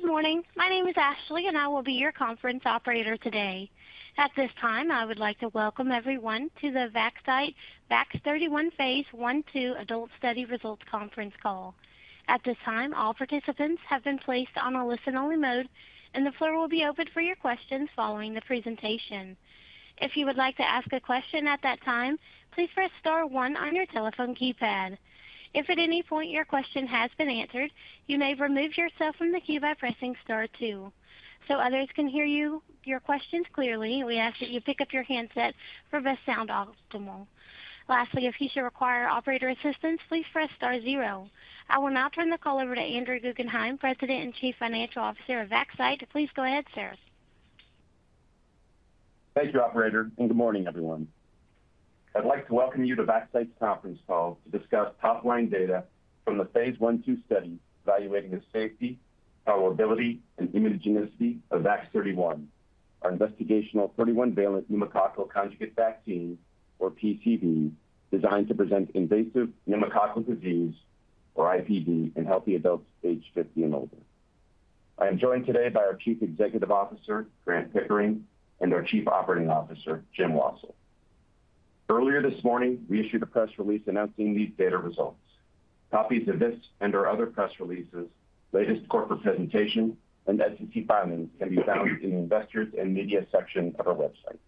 Good morning. My name is Ashley, and I will be your conference operator today. At this time, I would like to welcome everyone to the Vaxcyte VAX-31 Phase 1/2 Adult Study Results conference call. At this time, all participants have been placed on a listen-only mode, and the floor will be open for your questions following the presentation. If you would like to ask a question at that time, please press star one on your telephone keypad. If at any point your question has been answered, you may remove yourself from the queue by pressing star two. So others can hear your questions clearly, we ask that you pick up your handset for optimal sound. Lastly, if you should require operator assistance, please press star zero. I will now turn the call over to Andrew Guggenhime, President and Chief Financial Officer of Vaxcyte. Please go ahead, sir. Thank you, operator, and good morning, everyone. I'd like to welcome you to Vaxcyte's conference call to discuss top-line data from the phase 1/2 study evaluating the safety, tolerability, and immunogenicity of VAX-31, our investigational 31-valent pneumococcal conjugate vaccine, or PCV, designed to prevent invasive pneumococcal disease or IPD in healthy adults aged 50 and older. I am joined today by our Chief Executive Officer, Grant Pickering, and our Chief Operating Officer, Jim Wassil. Earlier this morning, we issued a press release announcing these data results. Copies of this and our other press releases, latest corporate presentation, and SEC filings can be found in the Investors and Media section of our website.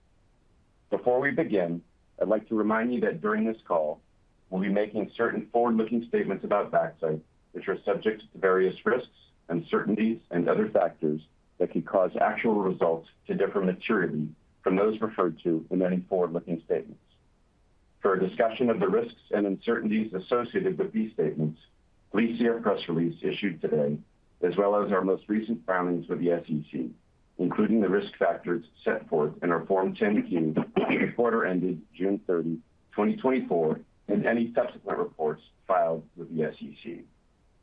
Before we begin, I'd like to remind you that during this call, we'll be making certain forward-looking statements about Vaxcyte, which are subject to various risks, uncertainties, and other factors that could cause actual results to differ materially from those referred to in any forward-looking statements. For a discussion of the risks and uncertainties associated with these statements, please see our press release issued today, as well as our most recent filings with the SEC, including the risk factors set forth in our Form 10-K for the quarter ended June 30, 2024, and any subsequent reports filed with the SEC.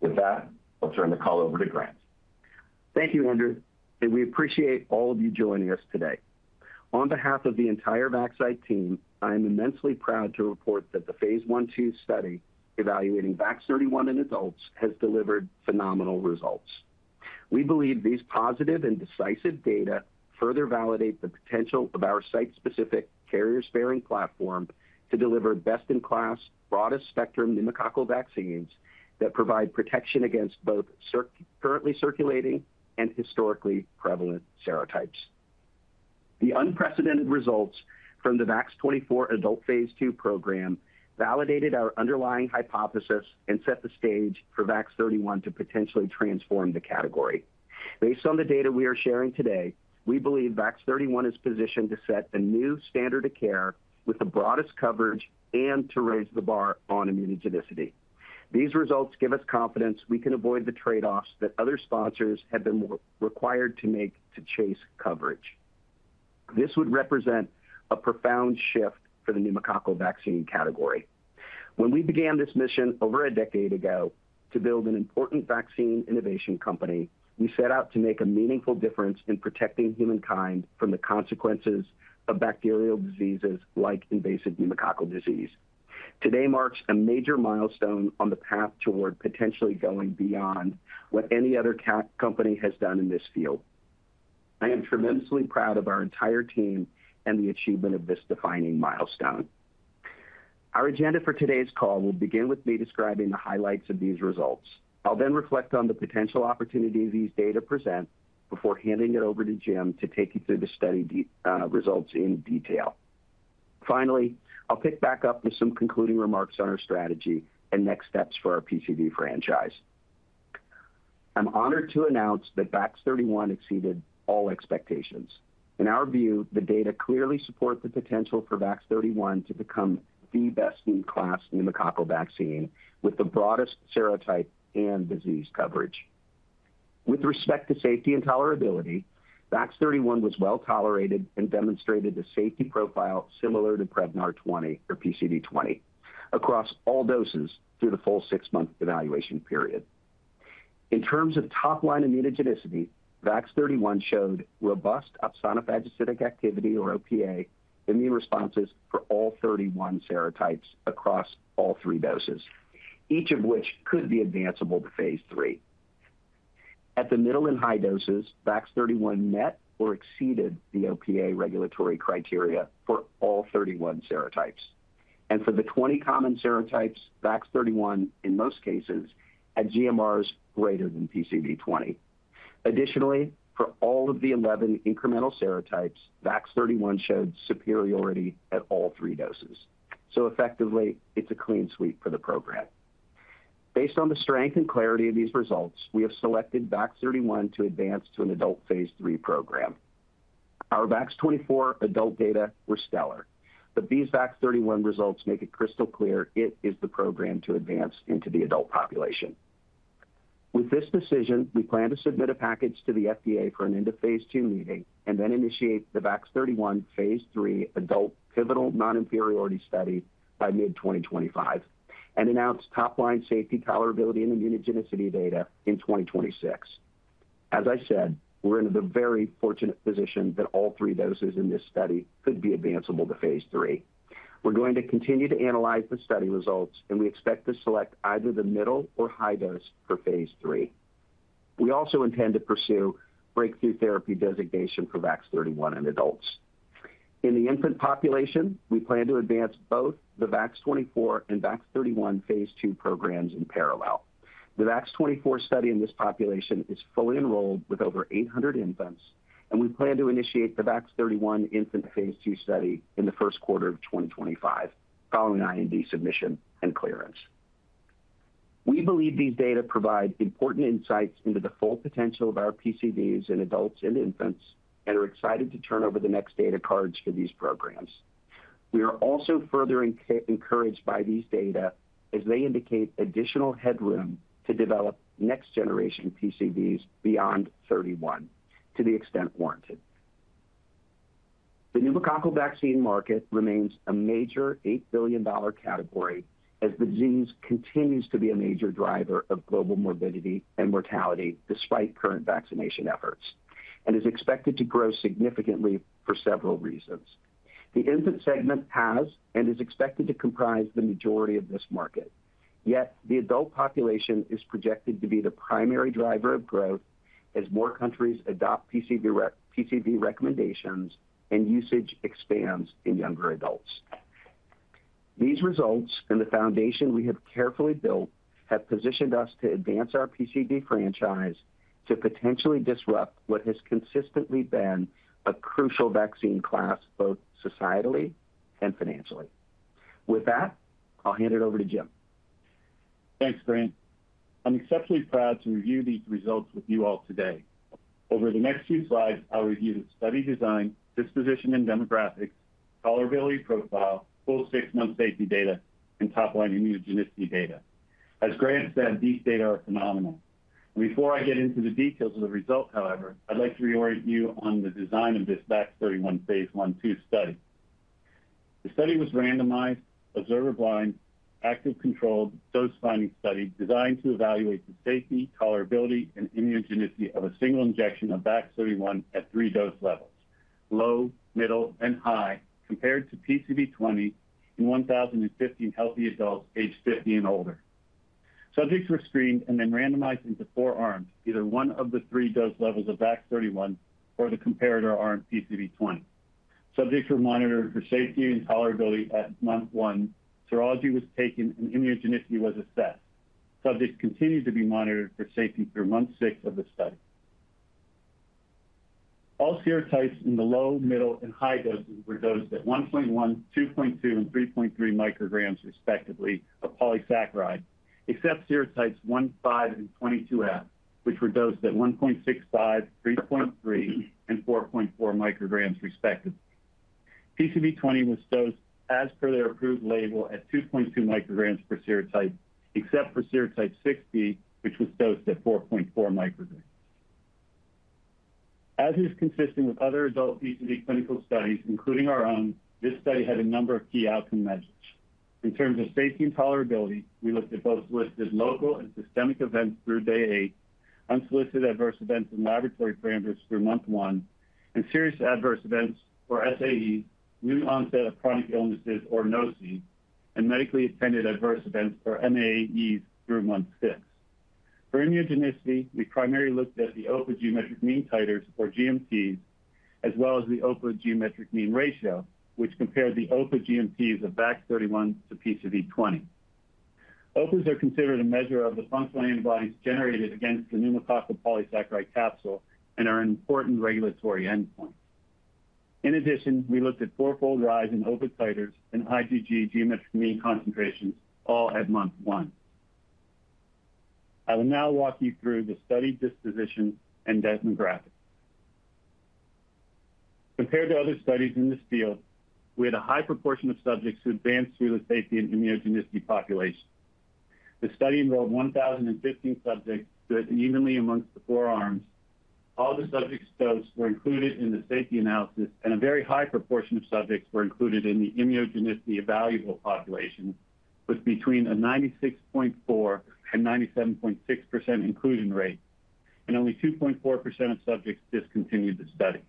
With that, I'll turn the call over to Grant. Thank you, Andrew, and we appreciate all of you joining us today. On behalf of the entire Vaxcyte team, I am immensely proud to report that the phase 1/2 study evaluating VAX-31 in adults has delivered phenomenal results. We believe these positive and decisive data further validate the potential of our site-specific carrier-sparing platform to deliver best-in-class, broadest-spectrum pneumococcal vaccines that provide protection against both currently circulating and historically prevalent serotypes. The unprecedented results from the VAX-24 adult phase II program validated our underlying hypothesis and set the stage for VAX-31 to potentially transform the category. Based on the data we are sharing today, we believe VAX-31 is positioned to set the new standard of care with the broadest coverage and to raise the bar on immunogenicity. These results give us confidence we can avoid the trade-offs that other sponsors have been required to make to chase coverage. This would represent a profound shift for the pneumococcal vaccine category. When we began this mission over a decade ago to build an important vaccine innovation company, we set out to make a meaningful difference in protecting humankind from the consequences of bacterial diseases like invasive pneumococcal disease. Today marks a major milestone on the path toward potentially going beyond what any other company has done in this field. I am tremendously proud of our entire team and the achievement of this defining milestone. Our agenda for today's call will begin with me describing the highlights of these results. I'll then reflect on the potential opportunities these data present before handing it over to Jim to take you through the study results in detail. Finally, I'll pick back up with some concluding remarks on our strategy and next steps for our PCV franchise. I'm honored to announce that VAX-31 exceeded all expectations. In our view, the data clearly support the potential for VAX-31 to become the best-in-class pneumococcal vaccine, with the broadest serotype and disease coverage. With respect to safety and tolerability, VAX-31 was well tolerated and demonstrated a safety profile similar to Prevnar 20 or PCV20 across all doses through the full 6-month evaluation period. In terms of top-line immunogenicity, VAX-31 showed robust opsonophagocytic activity, or OPA, immune responses for all 31 serotypes across all three doses, each of which could be advanceable to phase III. At the middle and high doses, VAX-31 met or exceeded the OPA regulatory criteria for all 31 serotypes, and for the 20 common serotypes, VAX-31, in most cases, had GMRs greater than PCV20. Additionally, for all of the 11 incremental serotypes, VAX-31 showed superiority at all three doses. So effectively, it's a clean sweep for the program. Based on the strength and clarity of these results, we have selected VAX-31 to advance to an adult phase III program. Our VAX-24 adult data were stellar, but these VAX-31 results make it crystal clear it is the program to advance into the adult population. With this decision, we plan to submit a package to the FDA for an end-of-phase II meeting and then initiate the VAX-31 phase III adult pivotal non-inferiority study by mid-2025 and announce top-line safety, tolerability, and immunogenicity data in 2026. As I said, we're in the very fortunate position that all three doses in this study could be advanceable to phase III.... We're going to continue to analyze the study results, and we expect to select either the middle or high dose for phase III. We also intend to pursue breakthrough therapy designation for VAX-31 in adults. In the infant population, we plan to advance both the VAX-24 and VAX-31 phase II programs in parallel. The VAX-24 study in this population is fully enrolled with over 800 infants, and we plan to initiate the VAX-31 infant phase II study in the first quarter of 2025, following IND submission and clearance. We believe these data provide important insights into the full potential of our PCVs in adults and infants and are excited to turn over the next data cards for these programs. We are also further encouraged by these data as they indicate additional headroom to develop next-generation PCVs beyond 31, to the extent warranted. The pneumococcal vaccine market remains a major $8 billion category as the disease continues to be a major driver of global morbidity and mortality despite current vaccination efforts, and is expected to grow significantly for several reasons. The infant segment has and is expected to comprise the majority of this market, yet the adult population is projected to be the primary driver of growth as more countries adopt PCV recommendations and usage expands in younger adults. These results and the foundation we have carefully built have positioned us to advance our PCV franchise to potentially disrupt what has consistently been a crucial vaccine class, both societally and financially. With that, I'll hand it over to Jim. Thanks, Grant. I'm exceptionally proud to review these results with you all today. Over the next few slides, I'll review the study design, disposition and demographics, tolerability profile, full six-month safety data, and top line immunogenicity data. As Grant said, these data are phenomenal. Before I get into the details of the results, however, I'd like to reorient you on the design of this VAX-31 phase 1/2 study. The study was randomized, observer-blind, active-controlled, dose-finding study designed to evaluate the safety, tolerability, and immunogenicity of a single injection of VAX-31 at three dose levels: low, middle, and high, compared to PCV20 in 1,015 healthy adults aged 50 and older. Subjects were screened and then randomized into four arms, either one of the three dose levels of VAX-31 or the comparator arm, PCV20. Subjects were monitored for safety and tolerability at month one. Serology was taken and immunogenicity was assessed. Subjects continued to be monitored for safety through month six of the study. All serotypes in the low, middle, and high doses were dosed at 1.1, 2.2, and 3.3 micrograms, respectively, of polysaccharide, except serotypes 1, 5, and 22F, which were dosed at 1.65, 3.3, and 4.4 micrograms, respectively. PCV20 was dosed as per their approved label at 2.2 micrograms per serotype, except for serotype 6A, which was dosed at 4.4 micrograms. As is consistent with other adult PCV clinical studies, including our own, this study had a number of key outcome measures. In terms of safety and tolerability, we looked at both solicited local and systemic events through day eight, unsolicited adverse events and laboratory parameters through month one, and serious adverse events or SAEs, new onset of chronic illnesses or NOCI, and medically attended adverse events or MAAEs through month six. For immunogenicity, we primarily looked at the OPA geometric mean titers or GMTs, as well as the OPA geometric mean ratio, which compared the OPA GMTs of VAX-31 to PCV20. OPA are considered a measure of the functional antibodies generated against the pneumococcal polysaccharide capsule and are an important regulatory endpoint. In addition, we looked at fourfold rise in OPA titers and IgG geometric mean concentrations, all at month one. I will now walk you through the study disposition and demographics. Compared to other studies in this field, we had a high proportion of subjects who advanced through the safety and immunogenicity population. The study enrolled 1,015 subjects, distributed evenly among the four arms. All the subjects dosed were included in the safety analysis, and a very high proportion of subjects were included in the immunogenicity evaluable population, with between a 96.4% and 97.6% inclusion rate, and only 2.4% of subjects discontinued the study.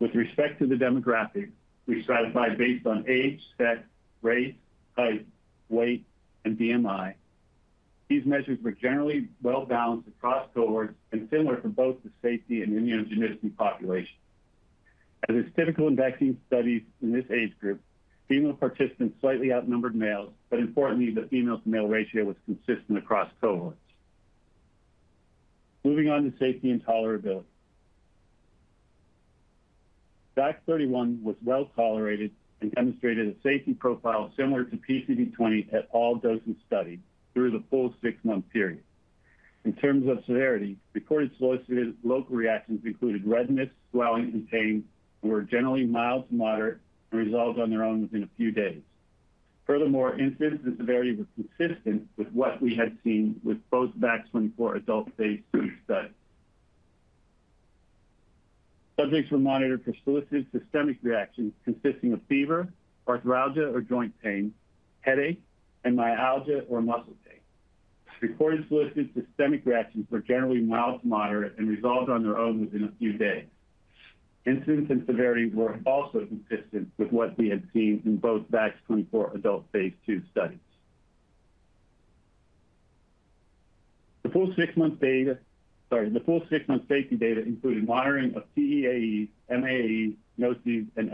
With respect to the demographics, we stratified based on age, sex, race, height, weight, and BMI. These measures were generally well-balanced across cohorts and similar for both the safety and immunogenicity population. As is typical in vaccine studies in this age group, female participants slightly outnumbered males, but importantly, the female-to-male ratio was consistent across cohorts. Moving on to safety and tolerability. VAX-31 was well-tolerated and demonstrated a safety profile similar to PCV20 at all doses studied through the full six-month period. In terms of severity, reported solicited local reactions included redness, swelling, and pain, and were generally mild to moderate and resolved on their own within a few days. Furthermore, incidence and severity was consistent with what we had seen with both VAX-24 adult phase III studies. Subjects were monitored for solicited systemic reactions consisting of fever, arthralgia or joint pain, headache, and myalgia or muscle pain. Reported solicited systemic reactions were generally mild to moderate and resolved on their own within a few days. Incidence and severity were also consistent with what we had seen in both VAX-24 adult phase II studies. The full six-month data, sorry, the full six-month safety data included monitoring of CEAE, MAAE, NOCI, and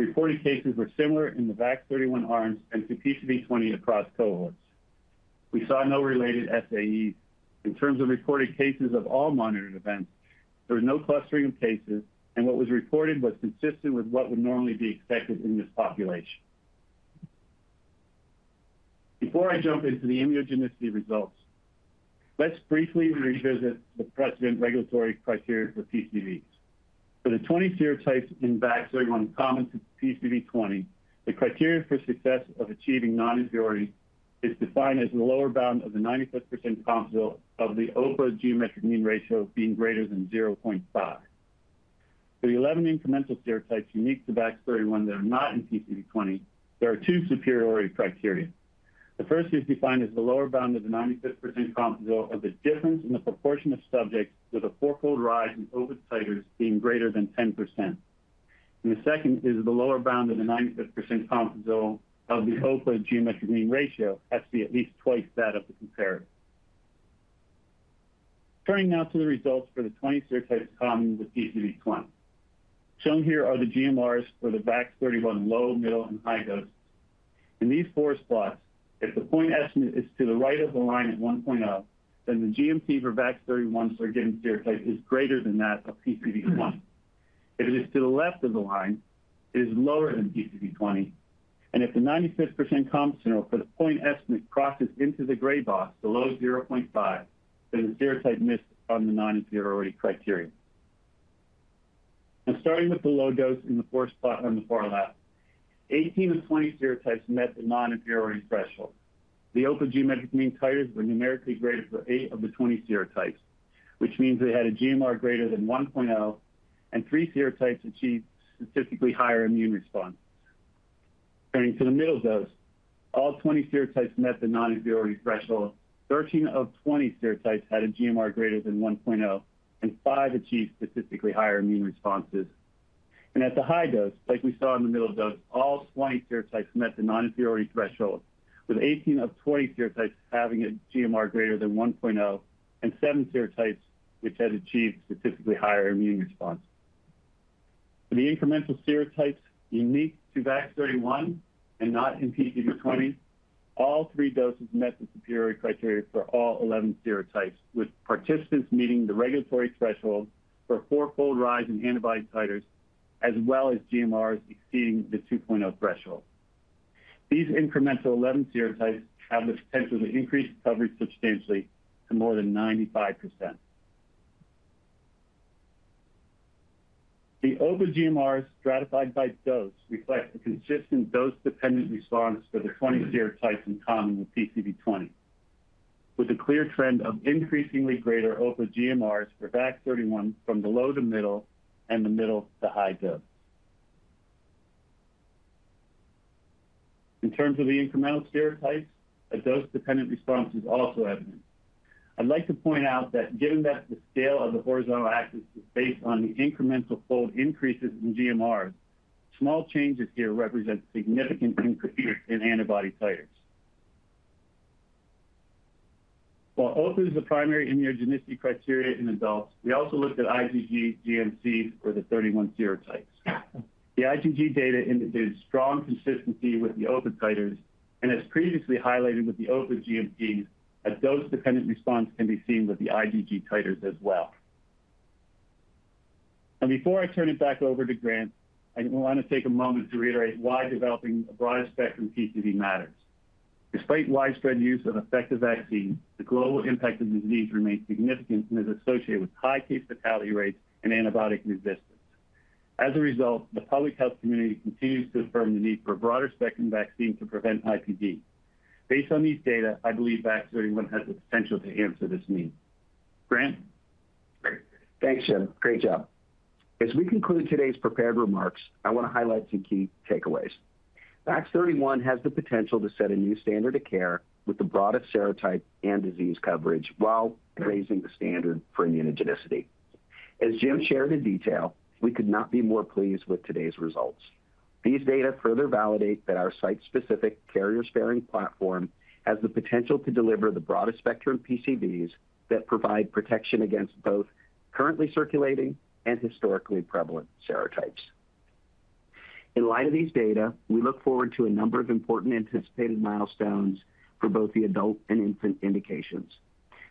SAE. Reported cases were similar in the VAX-31 arms and to PCV20 across cohorts. We saw no related SAEs. In terms of reported cases of all monitored events, there was no clustering of cases, and what was reported was consistent with what would normally be expected in this population. Before I jump into the immunogenicity results, let's briefly revisit the precedent regulatory criteria for PCVs. For the 20 serotypes in VAX-31 common to PCV20, the criteria for success of achieving non-inferiority is defined as the lower bound of the 95% confidence interval of the OPA geometric mean ratio being greater than 0.5. For the 11 incremental serotypes unique to VAX-31 that are not in PCV20, there are two superiority criteria. The first is defined as the lower bound of the 95% confidence interval of the difference in the proportion of subjects with a four-fold rise in OPA titers being greater than 10%. The second is the lower bound of the 95% confidence interval of the OPA geometric mean ratio has to be at least twice that of the comparator. Turning now to the results for the 20 serotypes common with PCV20. Shown here are the GMRs for the VAX-31 low, middle, and high dose. In these four spots, if the point estimate is to the right of the line at 1.0, then the GMR for VAX-31 for a given serotype is greater than that of PCV20. If it is to the left of the line, it is lower than PCV20, and if the 95% confidence interval for the point estimate crosses into the gray box below 0.5, then the serotype missed on the non-inferiority criteria. Now, starting with the low dose in the fourth spot on the far left, 18 of 20 serotypes met the non-inferiority threshold. The OPA geometric mean titers were numerically greater for 8 of the 20 serotypes, which means they had a GMR greater than 1.0, and 3 serotypes achieved statistically higher immune response. Turning to the middle dose, all 20 serotypes met the non-inferiority threshold. 13 of 20 serotypes had a GMR greater than 1.0, and 5 achieved statistically higher immune responses. And at the high dose, like we saw in the middle dose, all 20 serotypes met the non-inferiority threshold, with 18 of 20 serotypes having a GMR greater than 1.0, and seven serotypes which had achieved statistically higher immune response. For the incremental serotypes unique to VAX-31 and not in PCV20, all three doses met the superiority criteria for all 11 serotypes, with participants meeting the regulatory threshold for four-fold rise in antibody titers, as well as GMRs exceeding the 2.0 threshold. These incremental 11 serotypes have the potential to increase coverage substantially to more than 95%. The OPA GMRs stratified by dose reflect a consistent dose-dependent response for the 20 serotypes in common with PCV20, with a clear trend of increasingly greater OPA GMRs for VAX-31 from the low to middle and the middle to high dose. In terms of the incremental serotypes, a dose-dependent response is also evident. I'd like to point out that given that the scale of the horizontal axis is based on the incremental fold increases in GMRs, small changes here represent significant increases in antibody titers. While OPA is the primary immunogenicity criteria in adults, we also looked at IgG GMCs for the 31 serotypes. The IgG data indicates strong consistency with the OPA titers, and as previously highlighted with the OPA GMCs, a dose-dependent response can be seen with the IgG titers as well. And before I turn it back over to Grant, I want to take a moment to reiterate why developing a broader spectrum PCV matters. Despite widespread use of effective vaccines, the global impact of the disease remains significant and is associated with high case fatality rates and antibiotic resistance. As a result, the public health community continues to affirm the need for a broader spectrum vaccine to prevent IPD. Based on these data, I believe VAX-31 has the potential to answer this need. Grant? Great. Thanks, Jim. Great job. As we conclude today's prepared remarks, I want to highlight some key takeaways. VAX-31 has the potential to set a new standard of care with the broadest serotype and disease coverage while raising the standard for immunogenicity. As Jim shared in detail, we could not be more pleased with today's results. These data further validate that our site-specific carrier-sparing platform has the potential to deliver the broadest spectrum PCVs that provide protection against both currently circulating and historically prevalent serotypes. In light of these data, we look forward to a number of important anticipated milestones for both the adult and infant indications.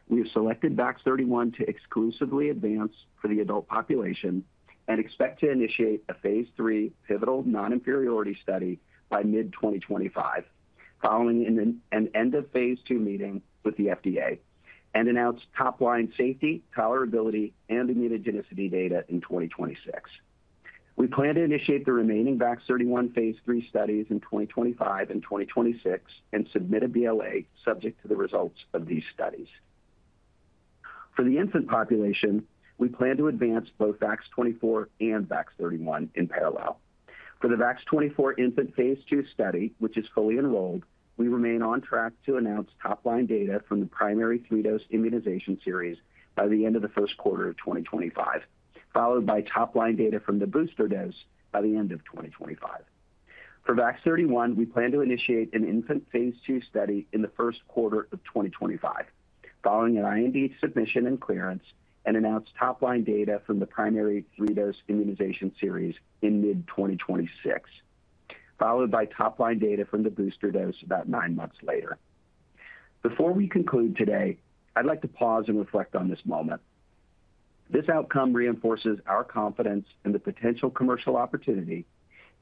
We have selected VAX-31 to exclusively advance for the adult population and expect to initiate a phase III pivotal non-inferiority study by mid 2025, following an end-of-phase II meeting with the FDA, and announce top-line safety, tolerability, and immunogenicity data in 2026. We plan to initiate the remaining VAX-31 phase III studies in 2025 and 2026 and submit a BLA subject to the results of these studies. For the infant population, we plan to advance both VAX-24 and VAX-31 in parallel. For the VAX-24 infant phase II study, which is fully enrolled, we remain on track to announce top-line data from the primary three-dose immunization series by the end of the first quarter of 2025, followed by top-line data from the booster dose by the end of 2025. For VAX-31, we plan to initiate an infant phase II study in the first quarter of 2025, following an IND submission and clearance, and announce top-line data from the primary three-dose immunization series in mid-2026, followed by top-line data from the booster dose about nine months later. Before we conclude today, I'd like to pause and reflect on this moment. This outcome reinforces our confidence in the potential commercial opportunity,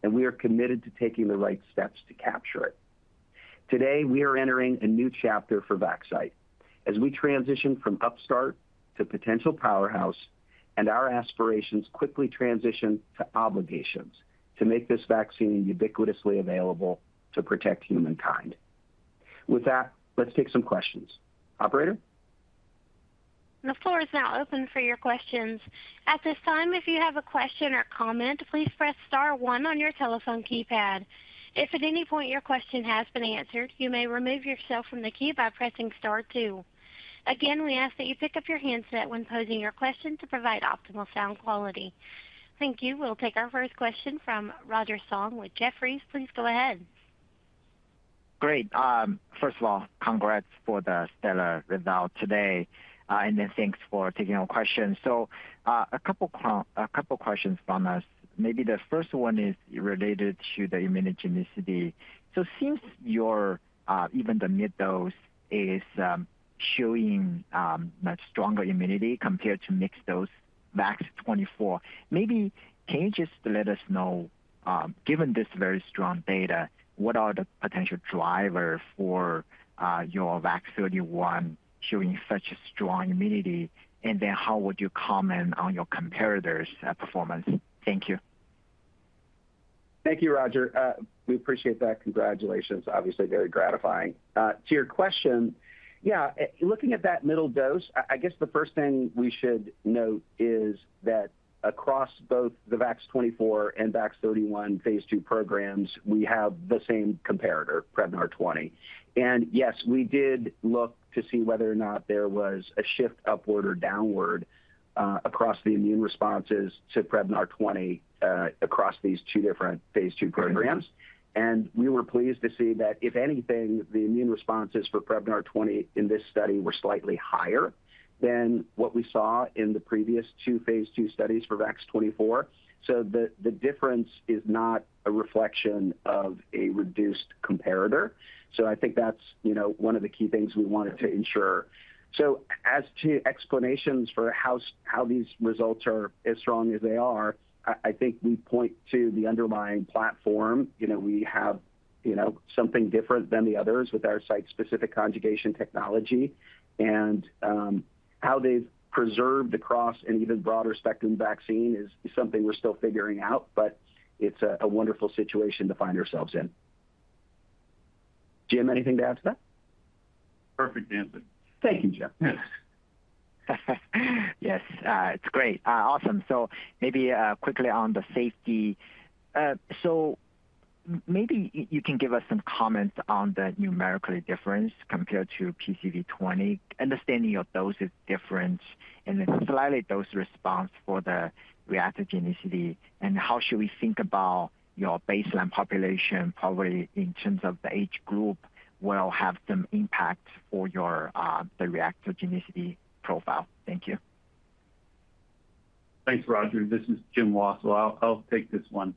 and we are committed to taking the right steps to capture it. Today, we are entering a new chapter for Vaxcyte as we transition from upstart to potential powerhouse, and our aspirations quickly transition to obligations to make this vaccine ubiquitously available to protect humankind. With that, let's take some questions. Operator? The floor is now open for your questions. At this time, if you have a question or comment, please press star one on your telephone keypad. If at any point your question has been answered, you may remove yourself from the queue by pressing star two. Again, we ask that you pick up your handset when posing your question to provide optimal sound quality. Thank you. We'll take our first question from Roger Song with Jefferies. Please go ahead. Great. First of all, congrats for the stellar result today, and then thanks for taking our questions. So, a couple questions from us. Maybe the first one is related to the immunogenicity. So since your even the mid dose is showing much stronger immunity compared to mid dose VAX-24, maybe can you just let us know, given this very strong data, what are the potential driver for your VAX-31 showing such strong immunity? And then how would you comment on your competitors' performance? Thank you. Thank you, Roger. We appreciate that. Congratulations. Obviously, very gratifying. To your question, yeah, looking at that middle dose, I guess the first thing we should note is that across both the VAX-24 and VAX-31 phase II programs, we have the same comparator, Prevnar 20. And yes, we did look to see whether or not there was a shift upward or downward, across the immune responses to Prevnar 20, across these two different phase II programs. And we were pleased to see that if anything, the immune responses for Prevnar 20 in this study were slightly higher than what we saw in the previous two phase II studies for VAX-24. So the difference is not a reflection of a reduced comparator. So I think that's, you know, one of the key things we wanted to ensure. So, as to explanations for how these results are as strong as they are, I think we point to the underlying platform. You know, we have, you know, something different than the others with our site-specific conjugation technology. And, how they've preserved across an even broader spectrum vaccine is something we're still figuring out, but it's a wonderful situation to find ourselves in. Jim, anything to add to that? Perfect answer. Thank you, Jim. Yes. Yes, it's great. Awesome. So maybe quickly on the safety. So maybe you can give us some comments on the numerical difference compared to PCV20, understanding the dose is different and the slight dose response for the reactogenicity, and how should we think about your baseline population, probably in terms of the age group, will have some impact for your, the reactogenicity profile. Thank you. Thanks, Roger. This is Jim Wassil. I'll take this one.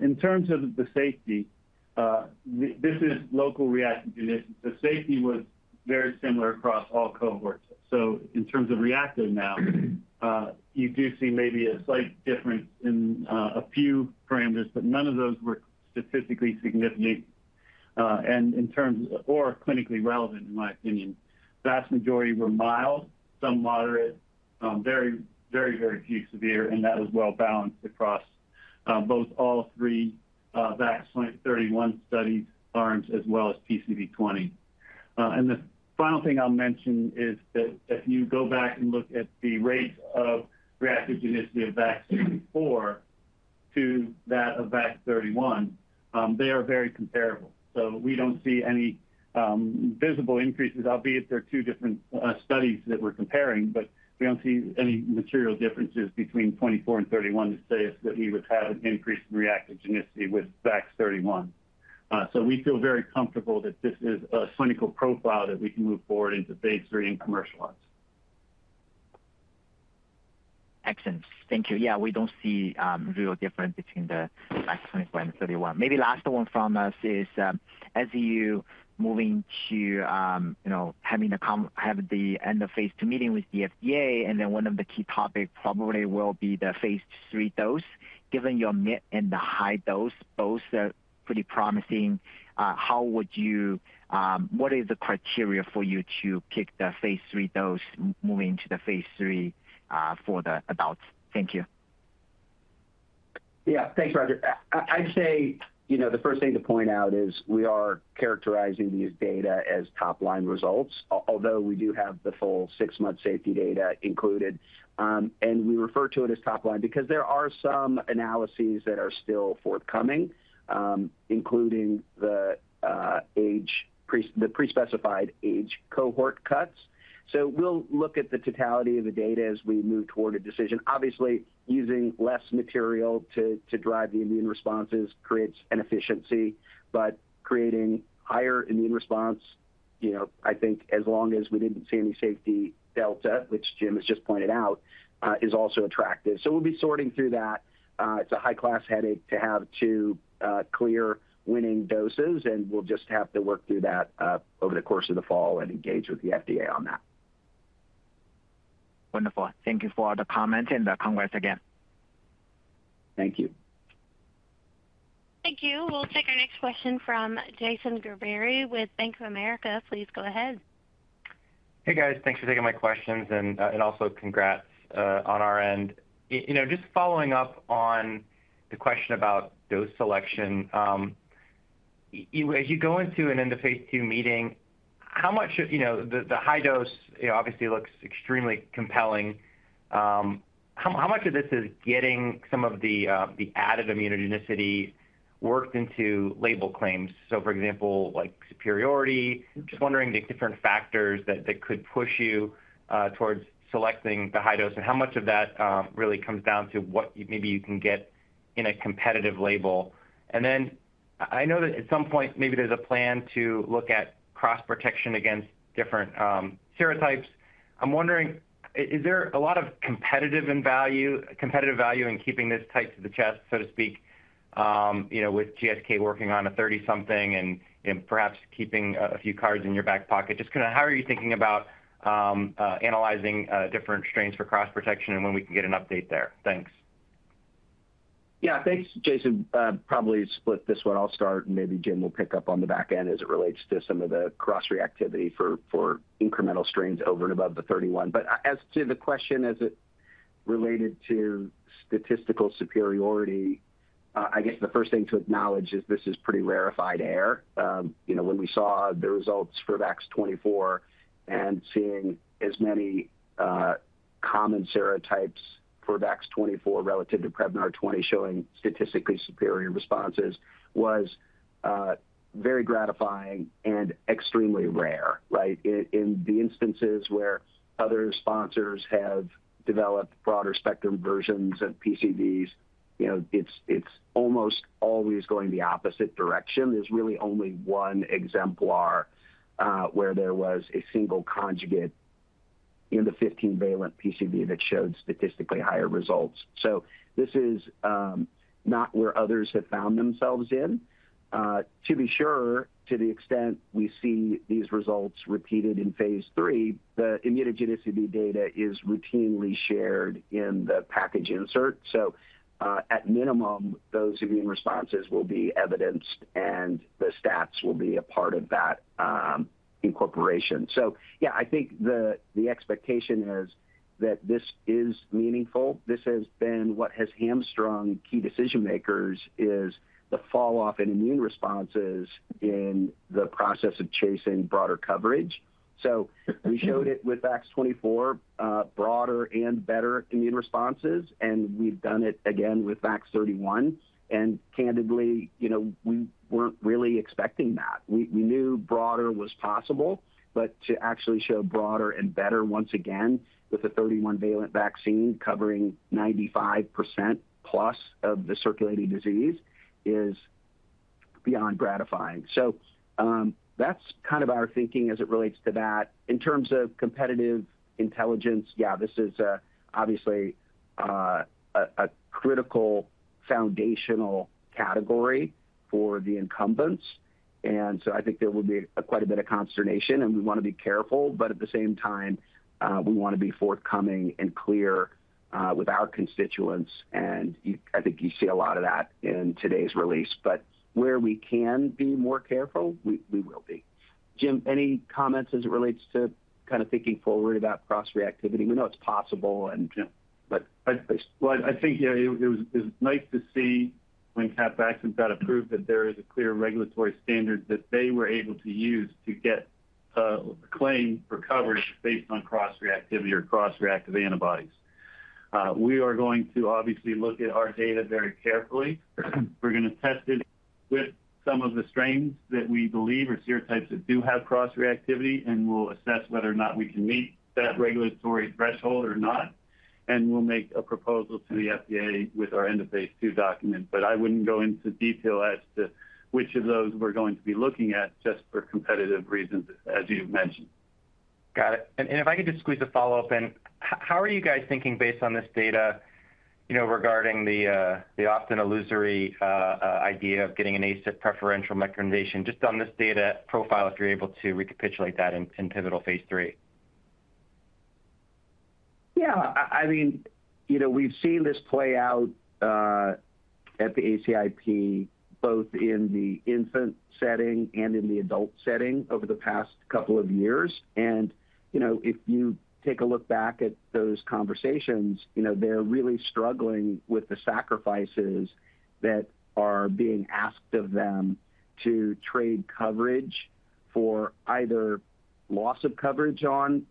In terms of the safety, this is local reactogenicity. The safety was very similar across all cohorts. So in terms of reactogenicity now, you do see maybe a slight difference in a few parameters, but none of those were statistically significant and in terms of or clinically relevant, in my opinion. Vast majority were mild, some moderate, very few severe, and that was well balanced across both all three VAX-31 study arms as well as PCV20. And the final thing I'll mention is that if you go back and look at the rates of reactogenicity of VAX-24 to that of VAX-31, they are very comparable. So we don't see any visible increases, albeit they're two different studies that we're comparing, but we don't see any material differences between VAX-24 and VAX-31 to say that we would have an increased reactogenicity with VAX-31. So we feel very comfortable that this is a cynical profile that we can move forward into phase III and commercialize. Excellent. Thank you. Yeah, we don't see real difference between the VAX-24 and VAX-31. Maybe last one from us is, as you moving to, you know, having the end of phase II meeting with the FDA, and then one of the key topics probably will be the phase III dose. Given your mid and the high dose, both are pretty promising, how would you what is the criteria for you to pick the phase III dose moving to the phase III, for the adults? Thank you.... Yeah, thanks, Roger. I'd say, you know, the first thing to point out is we are characterizing these data as top-line results, although we do have the full six-month safety data included. And we refer to it as top line because there are some analyses that are still forthcoming, including the pre-specified age cohort cuts. So we'll look at the totality of the data as we move toward a decision. Obviously, using less material to drive the immune responses creates an efficiency, but creating higher immune response, you know, I think as long as we didn't see any safety delta, which Jim has just pointed out, is also attractive. So we'll be sorting through that. It's a high-class headache to have two clear winning doses, and we'll just have to work through that over the course of the fall and engage with the FDA on that. Wonderful. Thank you for the comment and the congrats again. Thank you. Thank you. We'll take our next question from Jason Gerberry with Bank of America. Please go ahead. Hey, guys. Thanks for taking my questions, and also congrats on our end. You know, just following up on the question about dose selection, as you go into an end of phase II meeting, how much of... You know, the high dose, you know, obviously looks extremely compelling. How much of this is getting some of the added immunogenicity worked into label claims? So, for example, like superiority, just wondering the different factors that could push you towards selecting the high dose, and how much of that really comes down to what maybe you can get in a competitive label. And then I know that at some point, maybe there's a plan to look at cross-protection against different serotypes. I'm wondering, is there a lot of competitive value in keeping this tight to the chest, so to speak, you know, with GSK working on a thirty something and perhaps keeping a few cards in your back pocket? Just kinda, how are you thinking about analyzing different strains for cross-protection and when we can get an update there? Thanks. Yeah. Thanks, Jason. Probably split this one. I'll start, and maybe Jim will pick up on the back end as it relates to some of the cross-reactivity for incremental strains over and above the 31. But as to the question as it related to statistical superiority, I guess the first thing to acknowledge is this is pretty rarefied air. You know, when we saw the results for VAX-24 and seeing as many common serotypes for VAX-24 relative to Prevnar 20 showing statistically superior responses was very gratifying and extremely rare, right? In the instances where other sponsors have developed broader spectrum versions of PCVs, you know, it's almost always going the opposite direction. There's really only one exemplar, where there was a single conjugate in the 15-valent PCV that showed statistically higher results. So this is not where others have found themselves in. To be sure, to the extent we see these results repeated in phase III, the immunogenicity data is routinely shared in the package insert. So at minimum, those immune responses will be evidenced, and the stats will be a part of that incorporation. So yeah, I think the expectation is that this is meaningful. This has been what has hamstrung key decision-makers, is the falloff in immune responses in the process of chasing broader coverage. So we showed it with VAX-24, broader and better immune responses, and we've done it again with VAX-31, and candidly, you know, we weren't really expecting that. We knew broader was possible, but to actually show broader and better once again, with a 31-valent vaccine covering 95% plus of the circulating disease, is beyond gratifying. So, that's kind of our thinking as it relates to that. In terms of competitive intelligence, yeah, this is obviously a critical foundational category for the incumbents, and so I think there will be quite a bit of consternation, and we want to be careful, but at the same time, we want to be forthcoming and clear with our constituents, and I think you see a lot of that in today's release. But where we can be more careful, we will be. Jim, any comments as it relates to kind of thinking forward about cross-reactivity? We know it's possible and, Jim, but- Well, I think, yeah, it was nice to see when Capvaxive got approved, that there is a clear regulatory standard that they were able to use to get claim for coverage based on cross-reactivity or cross-reactive antibodies. We are going to obviously look at our data very carefully. We're going to test it with some of the strains that we believe are serotypes that do have cross-reactivity, and we'll assess whether or not we can meet that regulatory threshold or not, and we'll make a proposal to the FDA with our end of phase II document. But I wouldn't go into detail as to which of those we're going to be looking at, just for competitive reasons, as you've mentioned. Got it. And if I could just squeeze a follow-up in, how are you guys thinking based on this data, you know, regarding the often illusory idea of getting an ACIP preferential recommendation just on this data profile, if you're able to recapitulate that in pivotal phase III? Yeah, I mean, you know, we've seen this play out at the ACIP, both in the infant setting and in the adult setting over the past couple of years. And, you know, if you take a look back at those conversations, you know, they're really struggling with the sacrifices that are being asked of them to trade coverage for either loss of coverage on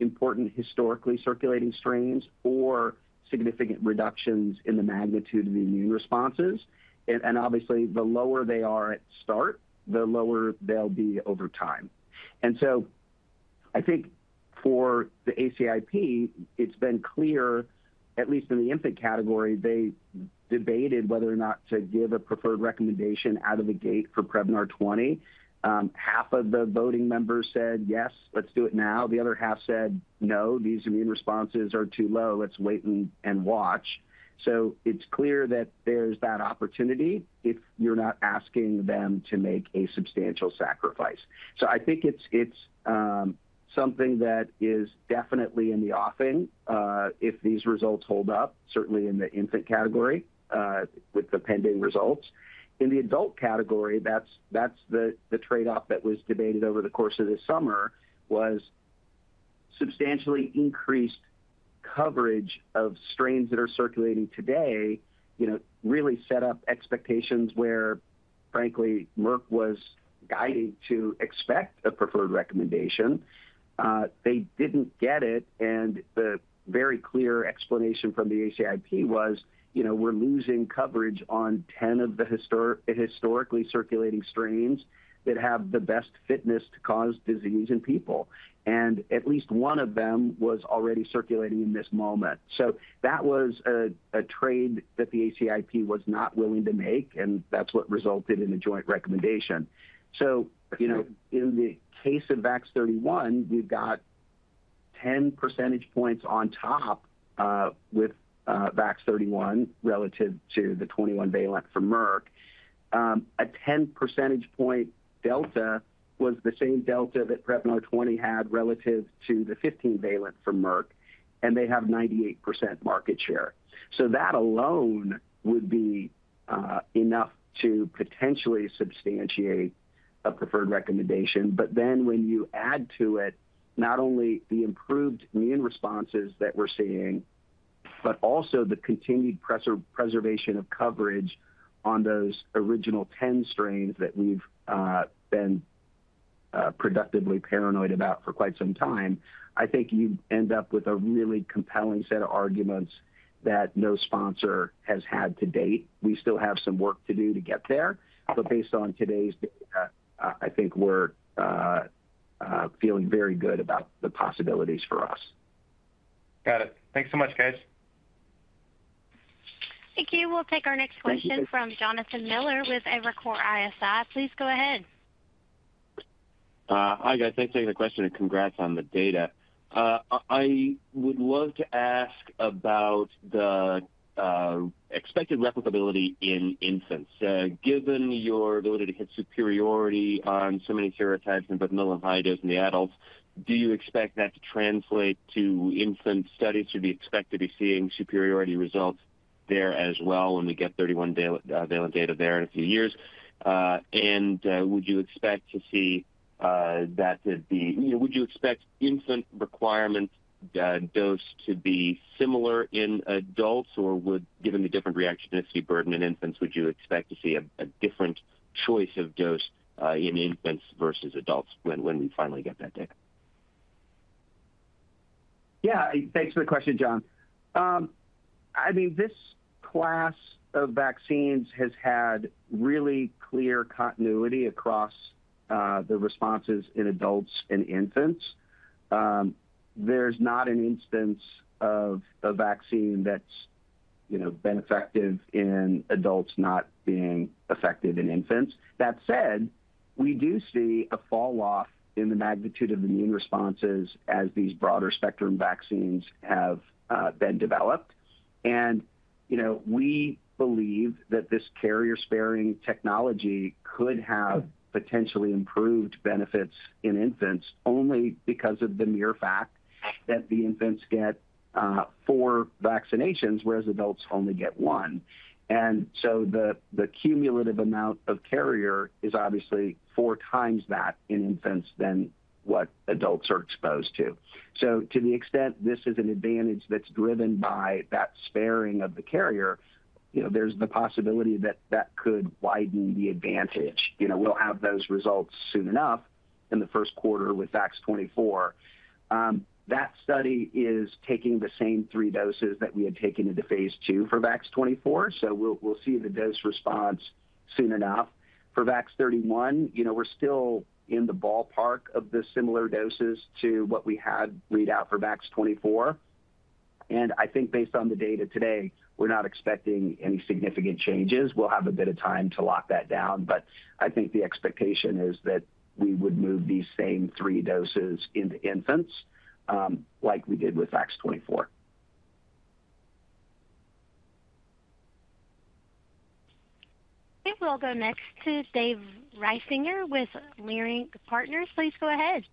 important historically circulating strains or significant reductions in the magnitude of the immune responses. And obviously, the lower they are at start, the lower they'll be over time. And so I think for the ACIP, it's been clear, at least in the infant category, they debated whether or not to give a preferred recommendation out of the gate for Prevnar 20. Half of the voting members said, "Yes, let's do it now." The other half said, "No, these immune responses are too low. Let's wait and watch." So it's clear that there's that opportunity if you're not asking them to make a substantial sacrifice. So I think it's something that is definitely in the offing if these results hold up, certainly in the infant category, with the pending results. In the adult category, that's the trade-off that was debated over the course of this summer, was substantially increased coverage of strains that are circulating today, you know, really set up expectations where, frankly, Merck was guiding to expect a preferred recommendation. They didn't get it, and the very clear explanation from the ACIP was, you know, we're losing coverage on 10 of the historically circulating strains that have the best fitness to cause disease in people, and at least one of them was already circulating in this moment. So that was a trade that the ACIP was not willing to make, and that's what resulted in the joint recommendation. So, you know, in the case of VAX-31, you've got 10 percentage points on top with VAX-31 relative to the 21-valent for Merck. A 10 percentage point delta was the same delta that Prevnar 20 had relative to the 15-valent from Merck, and they have 98% market share. So that alone would be enough to potentially substantiate a preferred recommendation. But then, when you add to it not only the improved immune responses that we're seeing, but also the continued preservation of coverage on those original ten strains that we've been productively paranoid about for quite some time, I think you end up with a really compelling set of arguments that no sponsor has had to date. We still have some work to do to get there, but based on today's data, I think we're feeling very good about the possibilities for us. Got it. Thanks so much, guys. Thank you. We'll take our next question. Thank you. from Jonathan Miller with Evercore ISI. Please go ahead. Hi, guys. Thanks for taking the question, and congrats on the data. I would love to ask about the expected replicability in infants. Given your ability to hit superiority on so many serotypes in both middle and high dose and the adults, do you expect that to translate to infant studies? Should we expect to be seeing superiority results there as well when we get 31-valent data there in a few years? And would you expect to see that to be... You know, would you expect infant requirement, dose to be similar in adults, or would, given the different reactogenicity burden in infants, would you expect to see a different choice of dose in infants versus adults when we finally get that data? Yeah. Thanks for the question, John. I mean, this class of vaccines has had really clear continuity across the responses in adults and infants. There's not an instance of a vaccine that's, you know, been effective in adults not being effective in infants. That said, we do see a fall off in the magnitude of immune responses as these broader spectrum vaccines have been developed. And, you know, we believe that this carrier-sparing technology could have potentially improved benefits in infants only because of the mere fact that the infants get four vaccinations, whereas adults only get one. And so the cumulative amount of carrier is obviously four times that in infants than what adults are exposed to. To the extent this is an advantage that's driven by that sparing of the carrier, you know, there's the possibility that that could widen the advantage. You know, we'll have those results soon enough in the first quarter with VAX-24. That study is taking the same three doses that we had taken into phase II for VAX-24, so we'll see the dose response soon enough. For VAX-31, you know, we're still in the ballpark of the similar doses to what we had read out for VAX-24, and I think based on the data today, we're not expecting any significant changes. We'll have a bit of time to lock that down, but I think the expectation is that we would move these same three doses into infants, like we did with VAX-24. ... We'll go next to Dave Risinger with Leerink Partners. Please go ahead.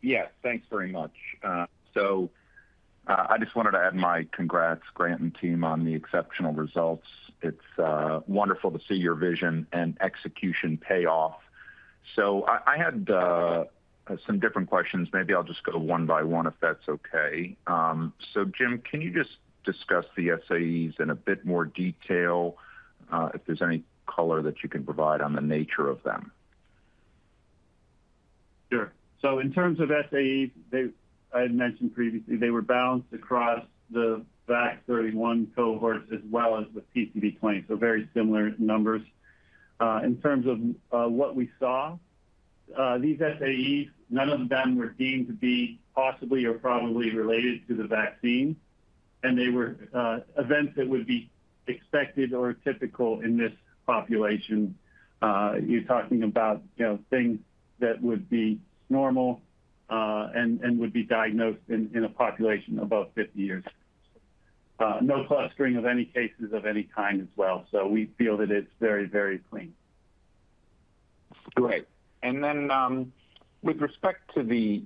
Yes, thanks very much, so I just wanted to add my congrats, Grant and team, on the exceptional results. It's wonderful to see your vision and execution pay off, so I had some different questions. Maybe I'll just go one by one, if that's okay, so Jim, can you just discuss the SAEs in a bit more detail, if there's any color that you can provide on the nature of them? Sure. So in terms of SAEs, they—I had mentioned previously, they were balanced across the VAX-31 cohorts as well as with PCV20, so very similar numbers. In terms of what we saw, these SAEs, none of them were deemed to be possibly or probably related to the vaccine, and they were events that would be expected or typical in this population. You're talking about, you know, things that would be normal, and would be diagnosed in a population above 50 years. No clustering of any cases of any kind as well, so we feel that it's very, very clean. Great. Then, with respect to the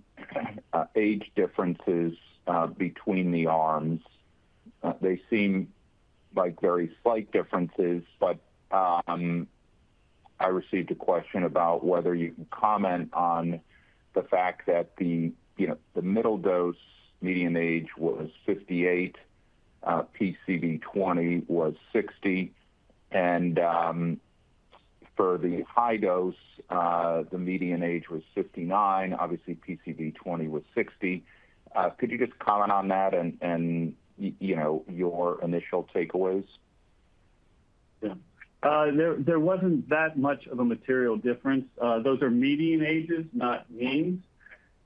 age differences between the arms, they seem like very slight differences. But I received a question about whether you can comment on the fact that, you know, the middle dose median age was 58, PCV20 was 60, and for the high dose, the median age was 59. Obviously, PCV20 was 60. Could you just comment on that and, you know, your initial takeaways? Yeah. There wasn't that much of a material difference. Those are median ages, not means,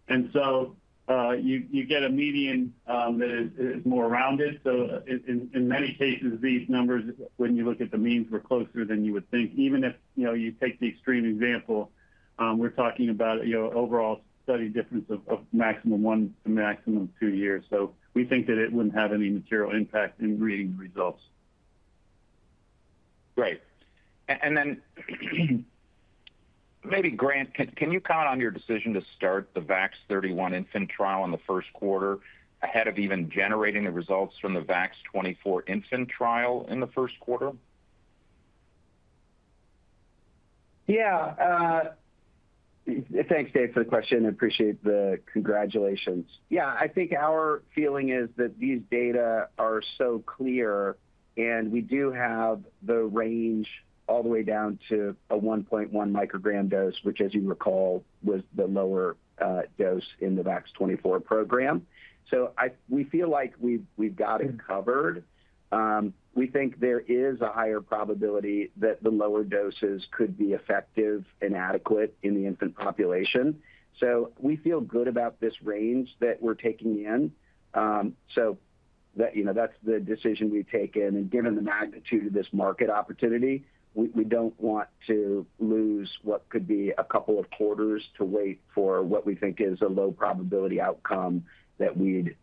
and so, you get a median that is more rounded. So in many cases, these numbers, when you look at the means, were closer than you would think. Even if you know you take the extreme example, we're talking about you know overall study difference of maximum one to maximum two years. So we think that it wouldn't have any material impact in reading the results. Great. And then, maybe, Grant, can you comment on your decision to start the VAX-31 infant trial in the first quarter, ahead of even generating the results from the VAX-24 infant trial in the first quarter? Yeah, thanks, Dave, for the question. I appreciate the congratulations. Yeah, I think our feeling is that these data are so clear, and we do have the range all the way down to a 1.1 microgram dose, which, as you recall, was the lower dose in the VAX-24 program. So we feel like we've got it covered. We think there is a higher probability that the lower doses could be effective and adequate in the infant population. So we feel good about this range that we're taking in. So that you know, that's the decision we've taken, and given the magnitude of this market opportunity, we don't want to lose what could be a couple of quarters to wait for what we think is a low-probability outcome, that we'd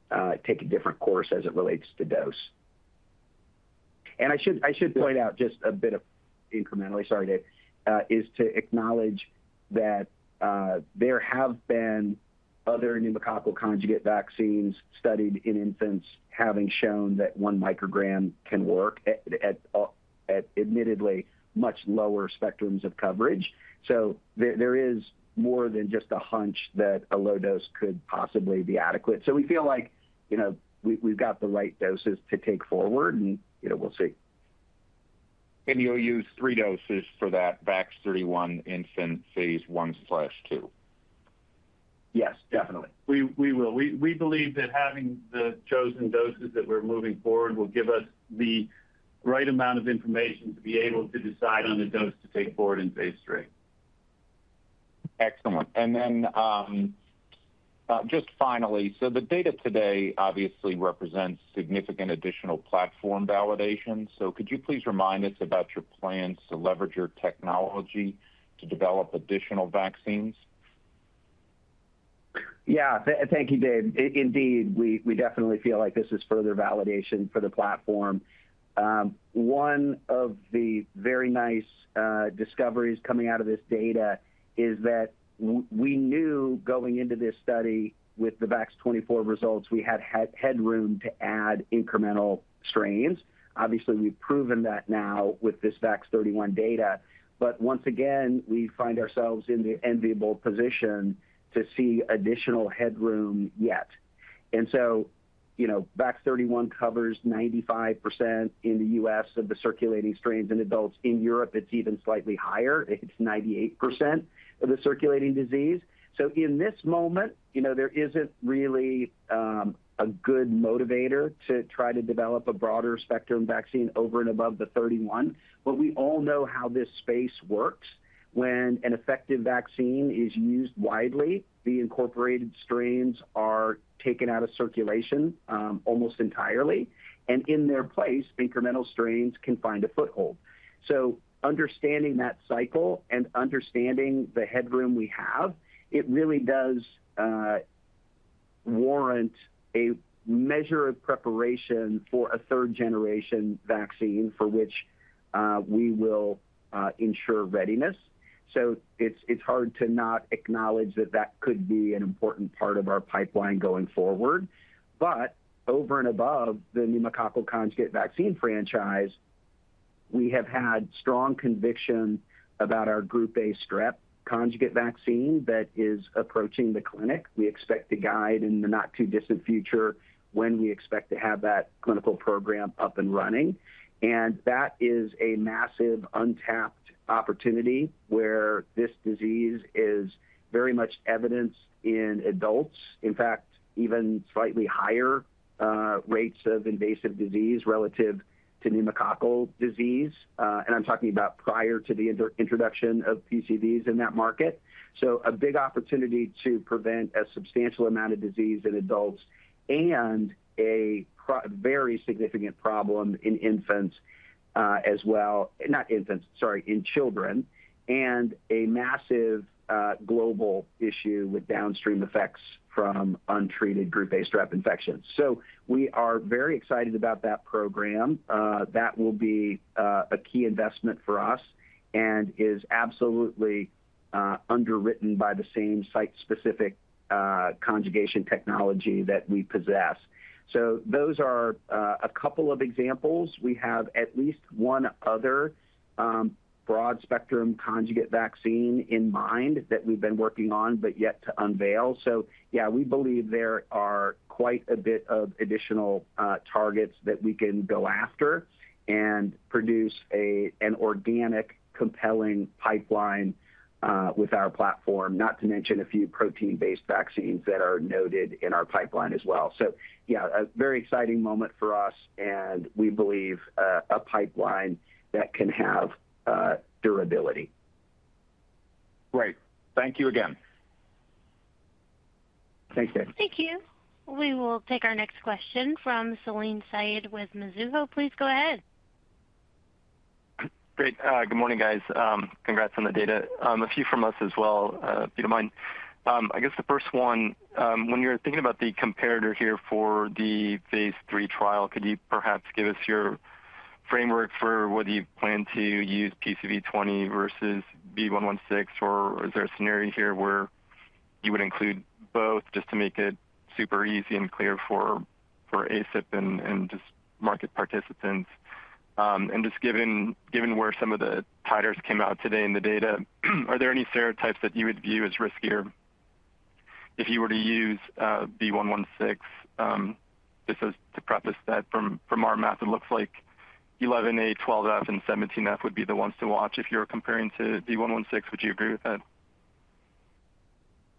take a different course as it relates to dose. I should point out just a bit of incrementally. Sorry, Dave, is to acknowledge that there have been other pneumococcal conjugate vaccines studied in infants, having shown that one microgram can work at admittedly much lower spectrums of coverage. So there is more than just a hunch that a low dose could possibly be adequate. So we feel like, you know, we've got the right doses to take forward, and, you know, we'll see. And you'll use three doses for that VAX-31 infant phase 1/2? Yes, definitely. We will. We believe that having the chosen doses that we're moving forward will give us the right amount of information to be able to decide on the dose to take forward in phase III. Excellent. And then, just finally, so the data today obviously represents significant additional platform validation. So could you please remind us about your plans to leverage your technology to develop additional vaccines? Yeah. Thank you, Dave. Indeed, we definitely feel like this is further validation for the platform. One of the very nice discoveries coming out of this data is that we knew going into this study with the VAX-24 results, we had headroom to add incremental strains. Obviously, we've proven that now with this VAX-31 data, but once again, we find ourselves in the enviable position to see additional headroom yet. And so, you know, VAX-31 covers 95% in the U.S. of the circulating strains in adults. In Europe, it's even slightly higher: it's 98% of the circulating disease. So in this moment, you know, there isn't really a good motivator to try to develop a broader-spectrum vaccine over and above the 31 But we all know how this space works. When an effective vaccine is used widely, the incorporated strains are taken out of circulation, almost entirely, and in their place, incremental strains can find a foothold. So understanding that cycle and understanding the headroom we have, it really does warrant a measure of preparation for a third-generation vaccine, for which we will ensure readiness. So it's, it's hard to not acknowledge that that could be an important part of our pipeline going forward. But over and above the pneumococcal conjugate vaccine franchise, we have had strong conviction about our Group A strep conjugate vaccine that is approaching the clinic. We expect to guide in the not-too-distant future when we expect to have that clinical program up and running. And that is a massive, untapped opportunity where this disease is very much evidenced in adults, in fact, even slightly higher rates of invasive disease relative to pneumococcal disease. And I'm talking about prior to the introduction of PCVs in that market. So a big opportunity to prevent a substantial amount of disease in adults and a very significant problem in infants, as well, not infants, sorry, in children, and a massive global issue with downstream effects from untreated Group A strep infections. So we are very excited about that program. That will be a key investment for us and is absolutely underwritten by the same site-specific conjugation technology that we possess. So those are a couple of examples. We have at least one other broad-spectrum conjugate vaccine in mind that we've been working on, but yet to unveil. So yeah, we believe there are quite a bit of additional targets that we can go after and produce an organic, compelling pipeline with our platform, not to mention a few protein-based vaccines that are noted in our pipeline as well. So yeah, a very exciting moment for us, and we believe a pipeline that can have durability. Great. Thank you again. Thanks, Dave. Thank you. We will take our next question from Selim Syed with Mizuho. Please go ahead. Great. Good morning, guys. Congrats on the data. A few from us as well, if you don't mind. I guess the first one, when you're thinking about the comparator here for the phase III trial, could you perhaps give us your framework for whether you plan to use PCV20 versus V116, or is there a scenario here where you would include both just to make it super easy and clear for ACIP and just market participants? And just given where some of the titers came out today in the data, are there any serotypes that you would view as riskier if you were to use V116? Just as to preface that, from our math, it looks like 11A, 12F, and 17F would be the ones to watch if you're comparing to V116. Would you agree with that?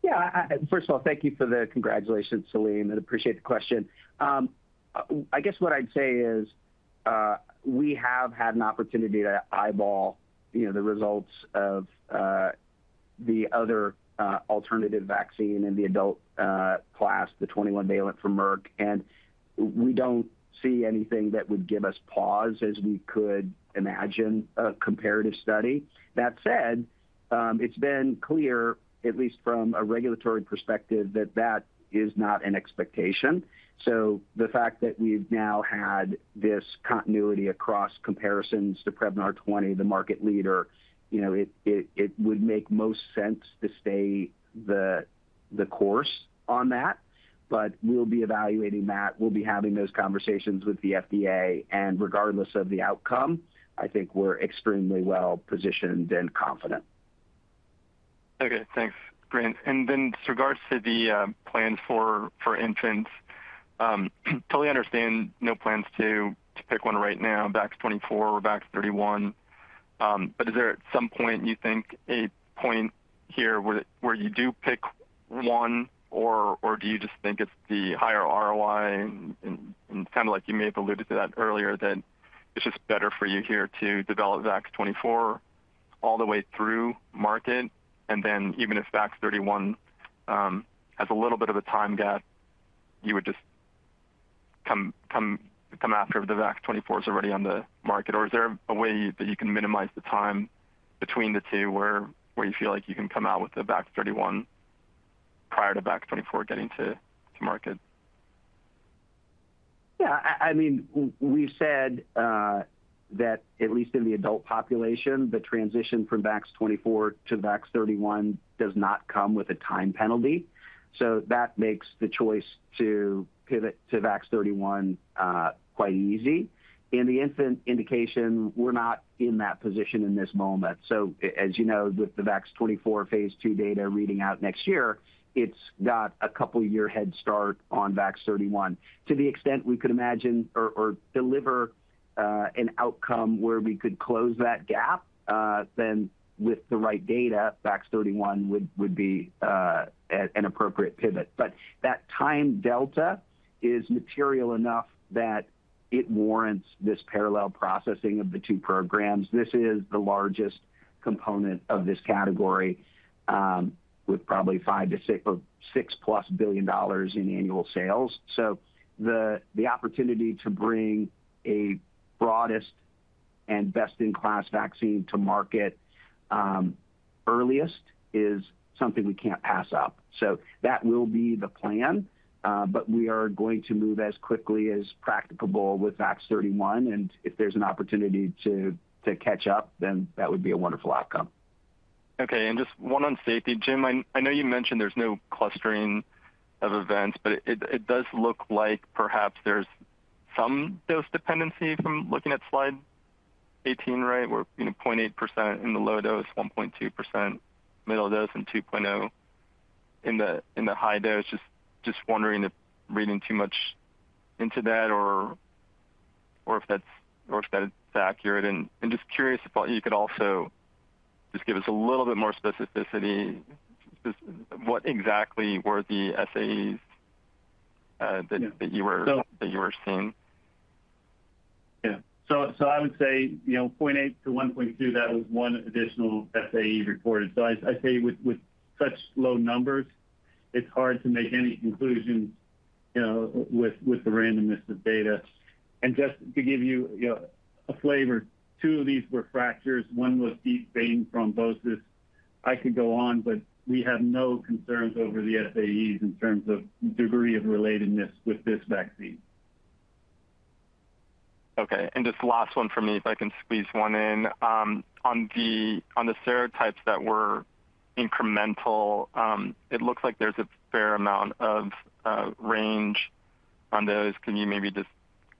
Yeah. First of all, thank you for the congratulations, Selim, and appreciate the question. I guess what I'd say is, we have had an opportunity to eyeball, you know, the results of the other alternative vaccine in the adult class, the 21-valent from Merck, and we don't see anything that would give us pause as we could imagine a comparative study. That said, it's been clear, at least from a regulatory perspective, that that is not an expectation. So the fact that we've now had this continuity across comparisons to Prevnar 20, the market leader, you know, it would make most sense to stay the course on that, but we'll be evaluating that. We'll be having those conversations with the FDA, and regardless of the outcome, I think we're extremely well-positioned and confident. Okay. Thanks. Great. And then with regards to the plans for infants, totally understand no plans to pick one right now, VAX-24 or VAX-31. But is there, at some point, you think a point here where you do pick one, or do you just think it's the higher ROI and kind of like you may have alluded to that earlier, that it's just better for you here to develop VAX-24 all the way through market, and then even if VAX-31 has a little bit of a time gap, you would just come after the VAX-24 is already on the market? Or is there a way that you can minimize the time between the two, where you feel like you can come out with the VAX-31 prior to VAX-24 getting to market? Yeah, I mean, we've said that at least in the adult population, the transition from VAX-24 to VAX-31 does not come with a time penalty, so that makes the choice to pivot to VAX-31 quite easy. In the infant indication, we're not in that position in this moment. So as you know, with the VAX-24 phase II data reading out next year, it's got a couple year head start on VAX-31. To the extent we could imagine or deliver an outcome where we could close that gap, then with the right data, VAX-31 would be an appropriate pivot. But that time delta is material enough that it warrants this parallel processing of the two programs. This is the largest component of this category with probably $5-$6 billion, or more than $6 billion in annual sales, so the opportunity to bring a broadest and best-in-class vaccine to market earliest is something we can't pass up, so that will be the plan, but we are going to move as quickly as practicable with VAX-31, and if there's an opportunity to catch up, then that would be a wonderful outcome. Okay. And just one on safety. Jim, I, I know you mentioned there's no clustering of events, but it, it does look like perhaps there's some dose dependency from looking at slide 18, right? Where, you know, 0.8% in the low dose, 1.2% middle dose, and 2.0% in the, in the high dose. Just, just wondering if reading too much into that or, or if that's or if that's accurate. And, and just curious if you could also just give us a little bit more specificity, just what exactly were the SAEs. Yeah - that you were- So- that you were seeing? Yeah. So I would say, you know, 0.8-1.2, that was one additional SAE reported. So I'd say with such low numbers, it's hard to make any conclusions, you know, with the randomness of data, and just to give you, you know, a flavor, two of these were fractures, one was deep vein thrombosis. I could go on, but we have no concerns over the SAEs in terms of degree of relatedness with this vaccine. Okay, and just last one for me, if I can squeeze one in. On the serotypes that were incremental, it looks like there's a fair amount of range on those. Can you maybe just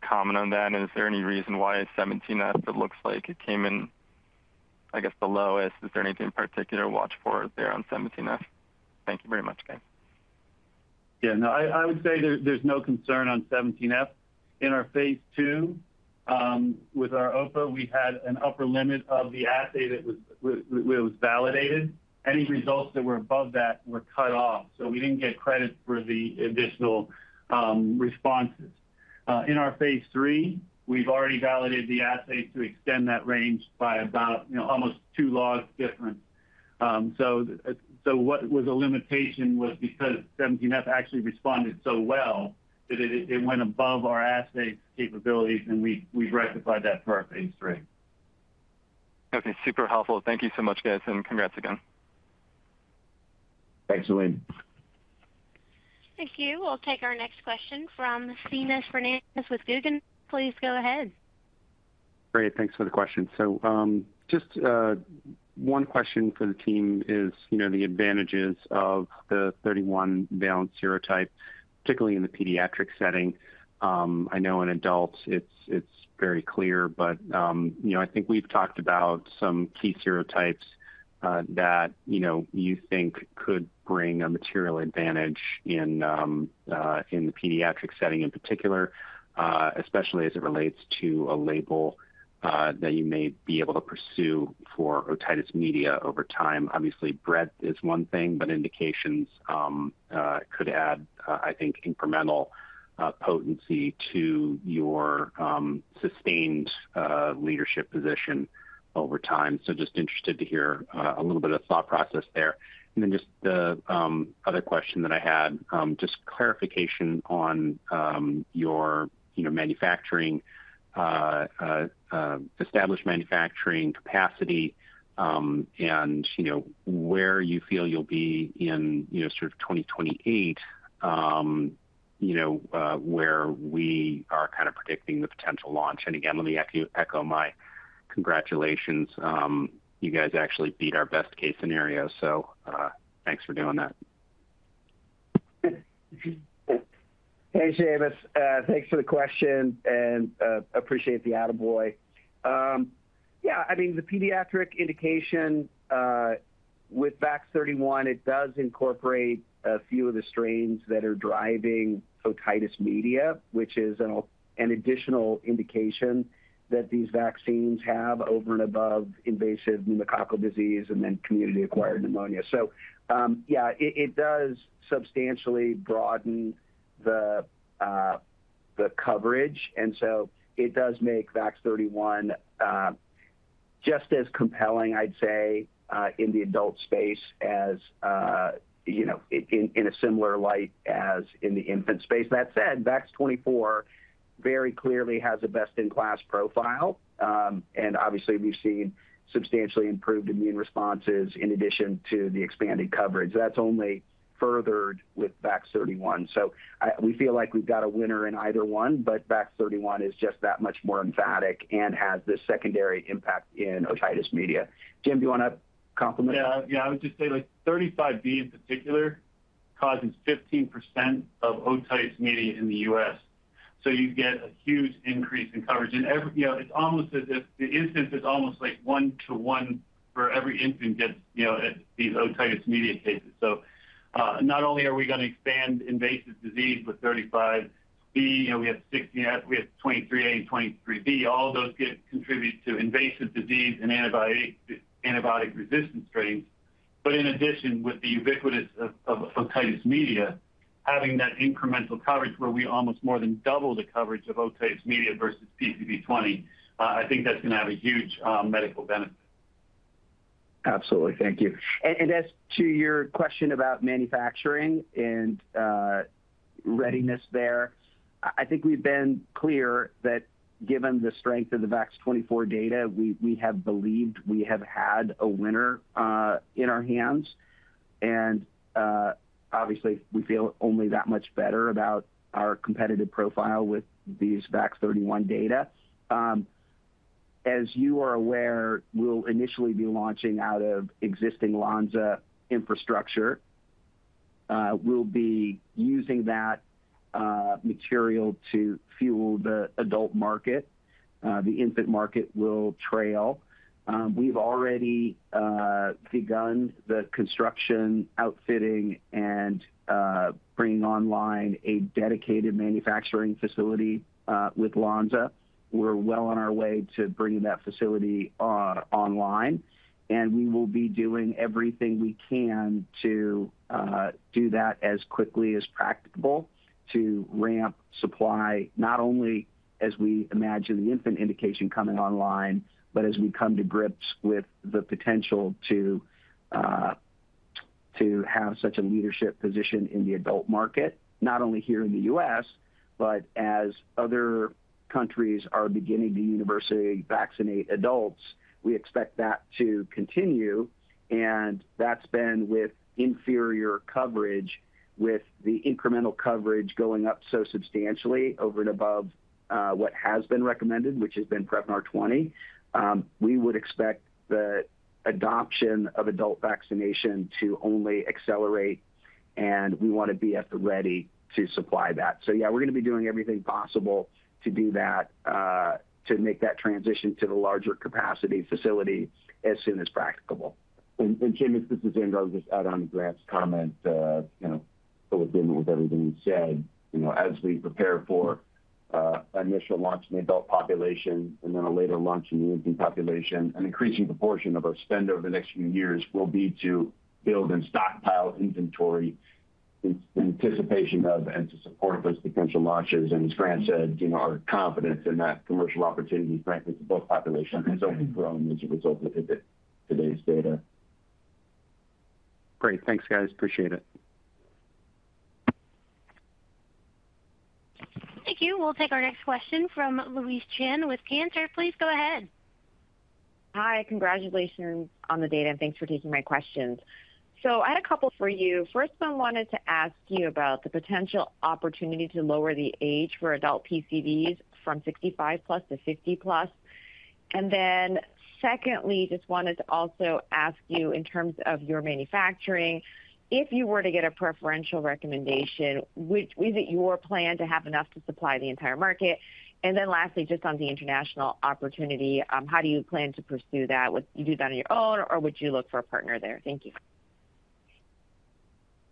comment on that? And is there any reason why 17F it looks like it came in, I guess, the lowest? Is there anything in particular to watch for there on 17F? Thank you very much, guys. Yeah, no, I would say there's no concern on 17F. In our phase II, with our OPA, we had an upper limit of the assay that was validated. Any results that were above that were cut off, so we didn't get credit for the additional responses. In our phase three, we've already validated the assay to extend that range by about, you know, almost two logs different. So what was a limitation was because 17F actually responded so well, that it went above our assay capabilities, and we've rectified that for our phase three. Okay, super helpful. Thank you so much, guys, and congrats again. Thanks, Wayne. Thank you. We'll take our next question from Seamus Fernandez with Guggenheim. Please go ahead. Great, thanks for the question. So, just one question for the team is, you know, the advantages of the 31-valent serotype, particularly in the pediatric setting. I know in adults it's very clear, but you know, I think we've talked about some key serotypes that you know, you think could bring a material advantage in the pediatric setting in particular, especially as it relates to a label that you may be able to pursue for otitis media over time. Obviously, breadth is one thing, but indications could add, I think, incremental potency to your sustained leadership position over time. So just interested to hear a little bit of thought process there. And then just the other question that I had, just clarification on your, you know, manufacturing established manufacturing capacity, and you know where you feel you'll be in, you know, sort of 2028, you know where we are kind of predicting the potential launch. And again, let me echo my congratulations. You guys actually beat our best-case scenario, so thanks for doing that. Hey, Seamus, thanks for the question and appreciate the attaboy. Yeah, I mean, the pediatric indication with VAX-31, it does incorporate a few of the strains that are driving otitis media, which is an additional indication that these vaccines have over and above invasive pneumococcal disease and then community-acquired pneumonia. So, yeah, it does substantially broaden the coverage, and so it does make VAX-31 just as compelling, I'd say, in the adult space as you know in a similar light as in the infant space. That said, VAX-24 very clearly has a best-in-class profile. And obviously we've seen substantially improved immune responses in addition to the expanded coverage. That's only furthered with VAX-31. So we feel like we've got a winner in either one, but VAX-31 is just that much more emphatic and has this secondary impact in otitis media. Jim, do you want to comment? Yeah. Yeah, I would just say, like, 35B in particular causes 15% of otitis media in the U.S., so you get a huge increase in coverage. And every, you know, it's almost as if the incidence is almost like one to one for every infant gets, you know, these otitis media cases. So, not only are we going to expand invasive disease with 35B, you know, we have 17F, we have 23A and 23B. All those get contributed to invasive disease and antibiotic-resistant strains. But in addition, with the ubiquity of otitis media, having that incremental coverage where we almost more than double the coverage of otitis media versus PCV20, I think that's going to have a huge medical benefit. ... Absolutely. Thank you. And as to your question about manufacturing and readiness there, I think we've been clear that given the strength of the VAX-24 data, we have believed we have had a winner in our hands. And obviously, we feel only that much better about our competitive profile with these VAX-31 data. As you are aware, we'll initially be launching out of existing Lonza infrastructure. We'll be using that material to fuel the adult market. The infant market will trail. We've already begun the construction, outfitting, and bringing online a dedicated manufacturing facility with Lonza. We're well on our way to bringing that facility online, and we will be doing everything we can to do that as quickly as practicable, to ramp supply, not only as we imagine the infant indication coming online, but as we come to grips with the potential to have such a leadership position in the adult market, not only here in the U.S., but as other countries are beginning to universally vaccinate adults. We expect that to continue, and that's been with inferior coverage, with the incremental coverage going up so substantially over and above what has been recommended, which has been Prevnar 20. We would expect the adoption of adult vaccination to only accelerate, and we want to be at the ready to supply that. So yeah, we're going to be doing everything possible to do that, to make that transition to the larger capacity facility as soon as practicable. Jim, this is Andrew, just add on to Grant's comment. You know, with everything you said, you know, as we prepare for initial launch in the adult population and then a later launch in the infant population, an increasing proportion of our spend over the next few years will be to build and stockpile inventory in anticipation of, and to support those potential launches. And as Grant said, you know, our confidence in that commercial opportunity, frankly, for both populations, has only grown as a result of today's data. Great. Thanks, guys. Appreciate it. Thank you. We'll take our next question from Louise Chen with Cantor. Please go ahead. Hi, congratulations on the data, and thanks for taking my questions. So I had a couple for you. First one, wanted to ask you about the potential opportunity to lower the age for adult PCVs from 65+ to 50+. And then secondly, just wanted to also ask you in terms of your manufacturing, if you were to get a preferential recommendation, which is it your plan to have enough to supply the entire market? And then lastly, just on the international opportunity, how do you plan to pursue that? Would you do that on your own, or would you look for a partner there? Thank you.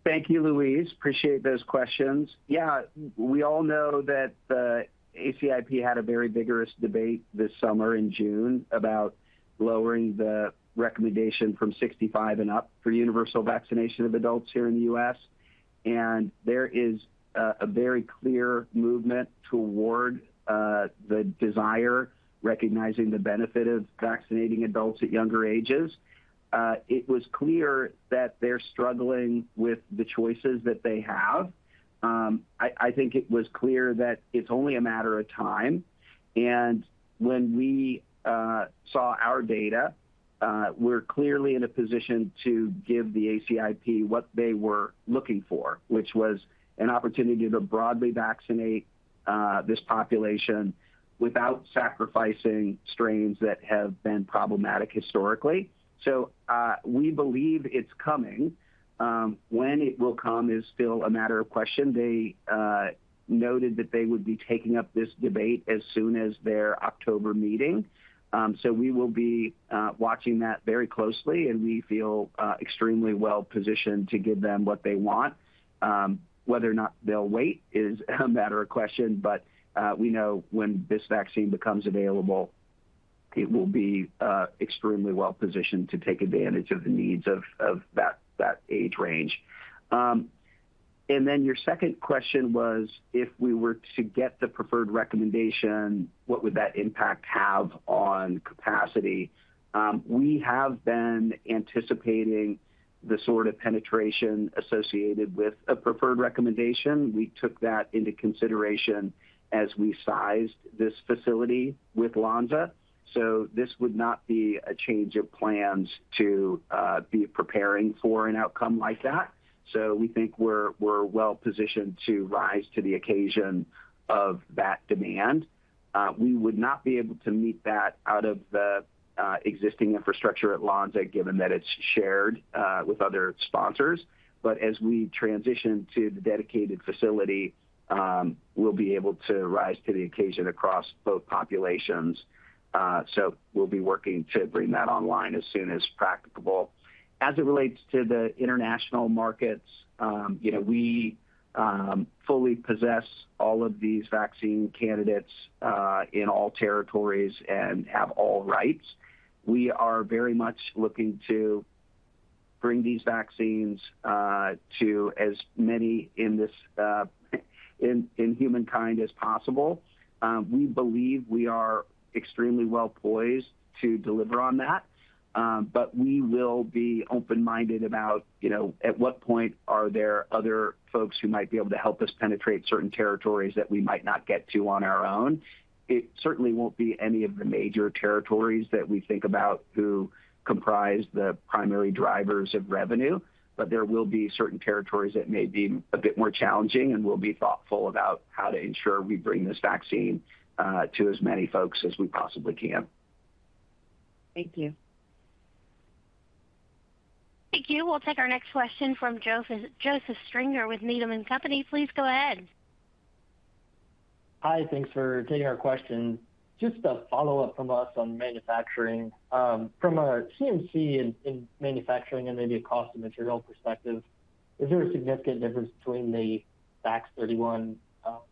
Thank you, Louise. Appreciate those questions. Yeah, we all know that the ACIP had a very vigorous debate this summer in June about lowering the recommendation from 65 and up for universal vaccination of adults here in the U.S. And there is a very clear movement toward the desire, recognizing the benefit of vaccinating adults at younger ages. It was clear that they're struggling with the choices that they have. I think it was clear that it's only a matter of time, and when we saw our data, we're clearly in a position to give the ACIP what they were looking for, which was an opportunity to broadly vaccinate this population without sacrificing strains that have been problematic historically. So, we believe it's coming. When it will come is still a matter of question. They noted that they would be taking up this debate as soon as their October meeting. So we will be watching that very closely, and we feel extremely well positioned to give them what they want. Whether or not they'll wait is a matter of question, but we know when this vaccine becomes available, it will be extremely well positioned to take advantage of the needs of that age range, and then your second question was, if we were to get the preferred recommendation, what would that impact have on capacity? We have been anticipating the sort of penetration associated with a preferred recommendation. We took that into consideration as we sized this facility with Lonza, so this would not be a change of plans to be preparing for an outcome like that. So we think we're well positioned to rise to the occasion of that demand. We would not be able to meet that out of the existing infrastructure at Lonza, given that it's shared with other sponsors. But as we transition to the dedicated facility, we'll be able to rise to the occasion across both populations. So we'll be working to bring that online as soon as practicable. As it relates to the international markets, you know, we fully possess all of these vaccine candidates in all territories and have all rights. We are very much looking to bring these vaccines to as many in humankind as possible. We believe we are extremely well poised to deliver on that, but we will be open-minded about, you know, at what point are there other folks who might be able to help us penetrate certain territories that we might not get to on our own? It certainly won't be any of the major territories that we think about who comprise the primary drivers of revenue, but there will be certain territories that may be a bit more challenging, and we'll be thoughtful about how to ensure we bring this vaccine to as many folks as we possibly can. Thank you. Thank you. We'll take our next question from Joseph Stringer with Needham and Company. Please go ahead. Hi, thanks for taking our question. Just a follow-up from us on manufacturing. From a CMC in manufacturing and maybe a cost of material perspective, is there a significant difference between the VAX-31,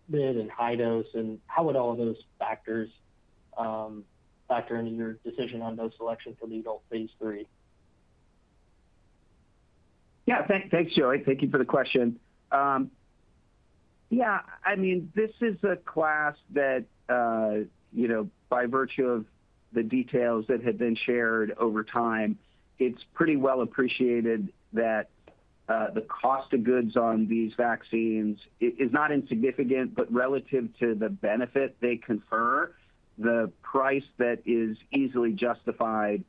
mid and high dose? And how would all of those factors, factor into your decision on dose selection for the adult phase III? Yeah, thanks, Joey. Thank you for the question. Yeah, I mean, this is a class that, you know, by virtue of the details that have been shared over time, it's pretty well appreciated that the cost of goods on these vaccines is not insignificant, but relative to the benefit they confer, the price that is easily justified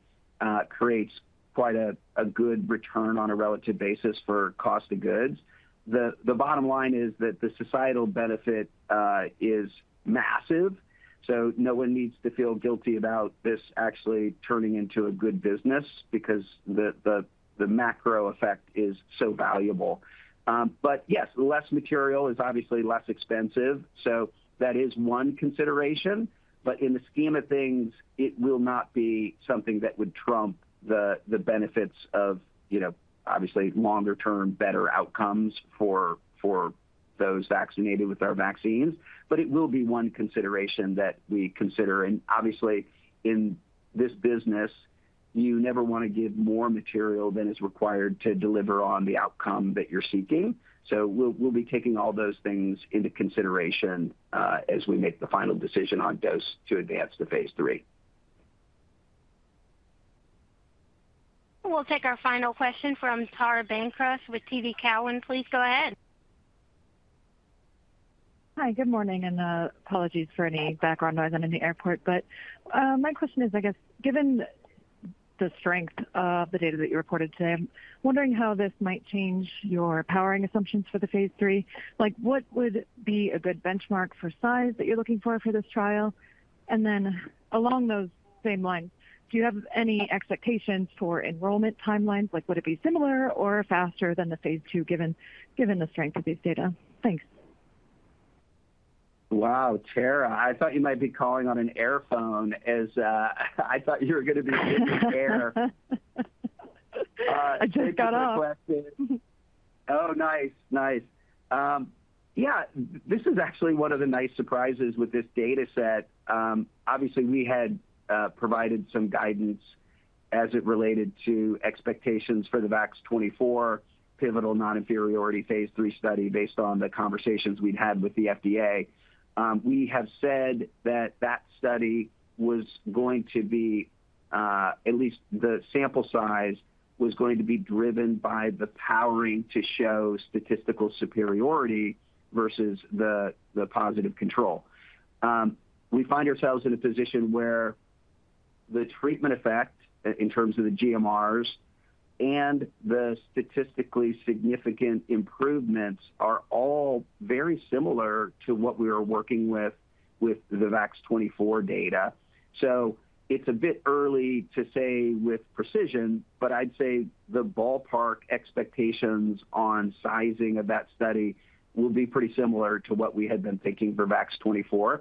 creates quite a good return on a relative basis for cost of goods. The bottom line is that the societal benefit is massive, so no one needs to feel guilty about this actually turning into a good business because the macro effect is so valuable. But yes, less material is obviously less expensive, so that is one consideration. But in the scheme of things, it will not be something that would trump the benefits of, you know, obviously longer-term, better outcomes for those vaccinated with our vaccines. But it will be one consideration that we consider, and obviously in this business, you never want to give more material than is required to deliver on the outcome that you're seeking. So we'll be taking all those things into consideration as we make the final decision on dose to advance to phase III. We'll take our final question from Tara Bancroft with TD Cowen. Please go ahead. Hi, good morning, and apologies for any background noise. I'm in the airport. But my question is, I guess, given the strength of the data that you reported today, I'm wondering how this might change your powering assumptions for the phase III. Like, what would be a good benchmark for size that you're looking for this trial? And then along those same lines, do you have any expectations for enrollment timelines? Like, would it be similar or faster than the phase II, given the strength of these data? Thanks. Wow, Tara, I thought you might be calling on an airphone as I thought you were gonna be in the air. I just got off. Thank you for the question. Oh, nice. Nice. Yeah, this is actually one of the nice surprises with this data set. Obviously, we had provided some guidance as it related to expectations for the VAX-24 pivotal noninferiority phase III study based on the conversations we'd had with the FDA. We have said that that study was going to be, at least the sample size, was going to be driven by the powering to show statistical superiority versus the positive control. We find ourselves in a position where the treatment effect, in terms of the GMRs and the statistically significant improvements, are all very similar to what we were working with, with the VAX-24 data. So it's a bit early to say with precision, but I'd say the ballpark expectations on sizing of that study will be pretty similar to what we had been thinking for VAX-24.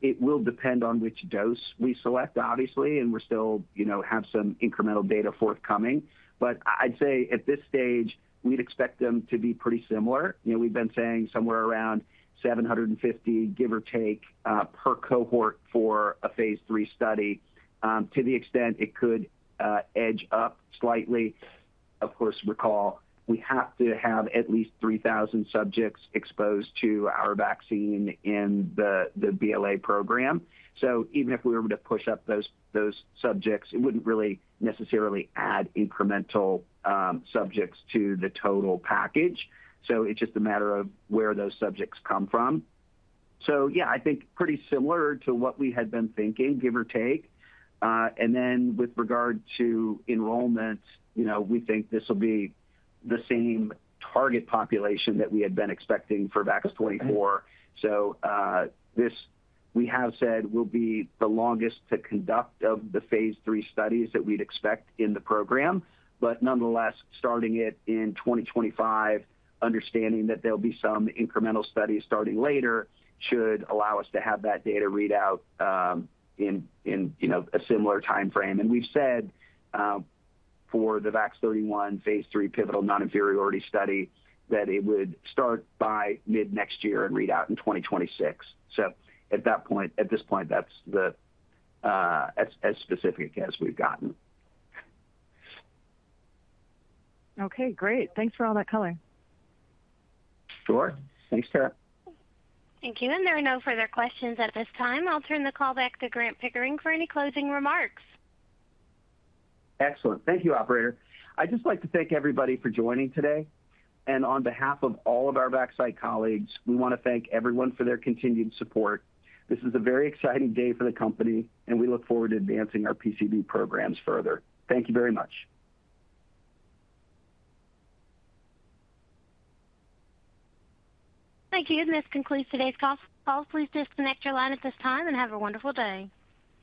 It will depend on which dose we select, obviously, and we're still you know, have some incremental data forthcoming. But I'd say at this stage, we'd expect them to be pretty similar. You know, we've been saying somewhere around 750, give or take, per cohort for a phase III study. To the extent it could edge up slightly. Of course, recall, we have to have at least 3,000 subjects exposed to our vaccine in the BLA program. So even if we were to push up those subjects, it wouldn't really necessarily add incremental subjects to the total package. So it's just a matter of where those subjects come from. So yeah, I think pretty similar to what we had been thinking, give or take. And then with regard to enrollment, you know, we think this will be the same target population that we had been expecting for VAX-24. So, this, we have said, will be the longest to conduct of the phase III studies that we'd expect in the program. But nonetheless, starting it in 2025, understanding that there'll be some incremental studies starting later, should allow us to have that data readout, in, you know, a similar timeframe. And we've said, for the VAX-31 phase III pivotal non-inferiority study, that it would start by mid-next year and read out in 2026. So at this point, that's the, as specific as we've gotten. Okay, great. Thanks for all that color. Sure. Thanks, Tara. Thank you. And there are no further questions at this time. I'll turn the call back to Grant Pickering for any closing remarks. Excellent. Thank you, operator. I'd just like to thank everybody for joining today, and on behalf of all of our Vaxcyte colleagues, we want to thank everyone for their continued support. This is a very exciting day for the company, and we look forward to advancing our PCV programs further. Thank you very much. Thank you. And this concludes today's call. Please disconnect your line at this time and have a wonderful day.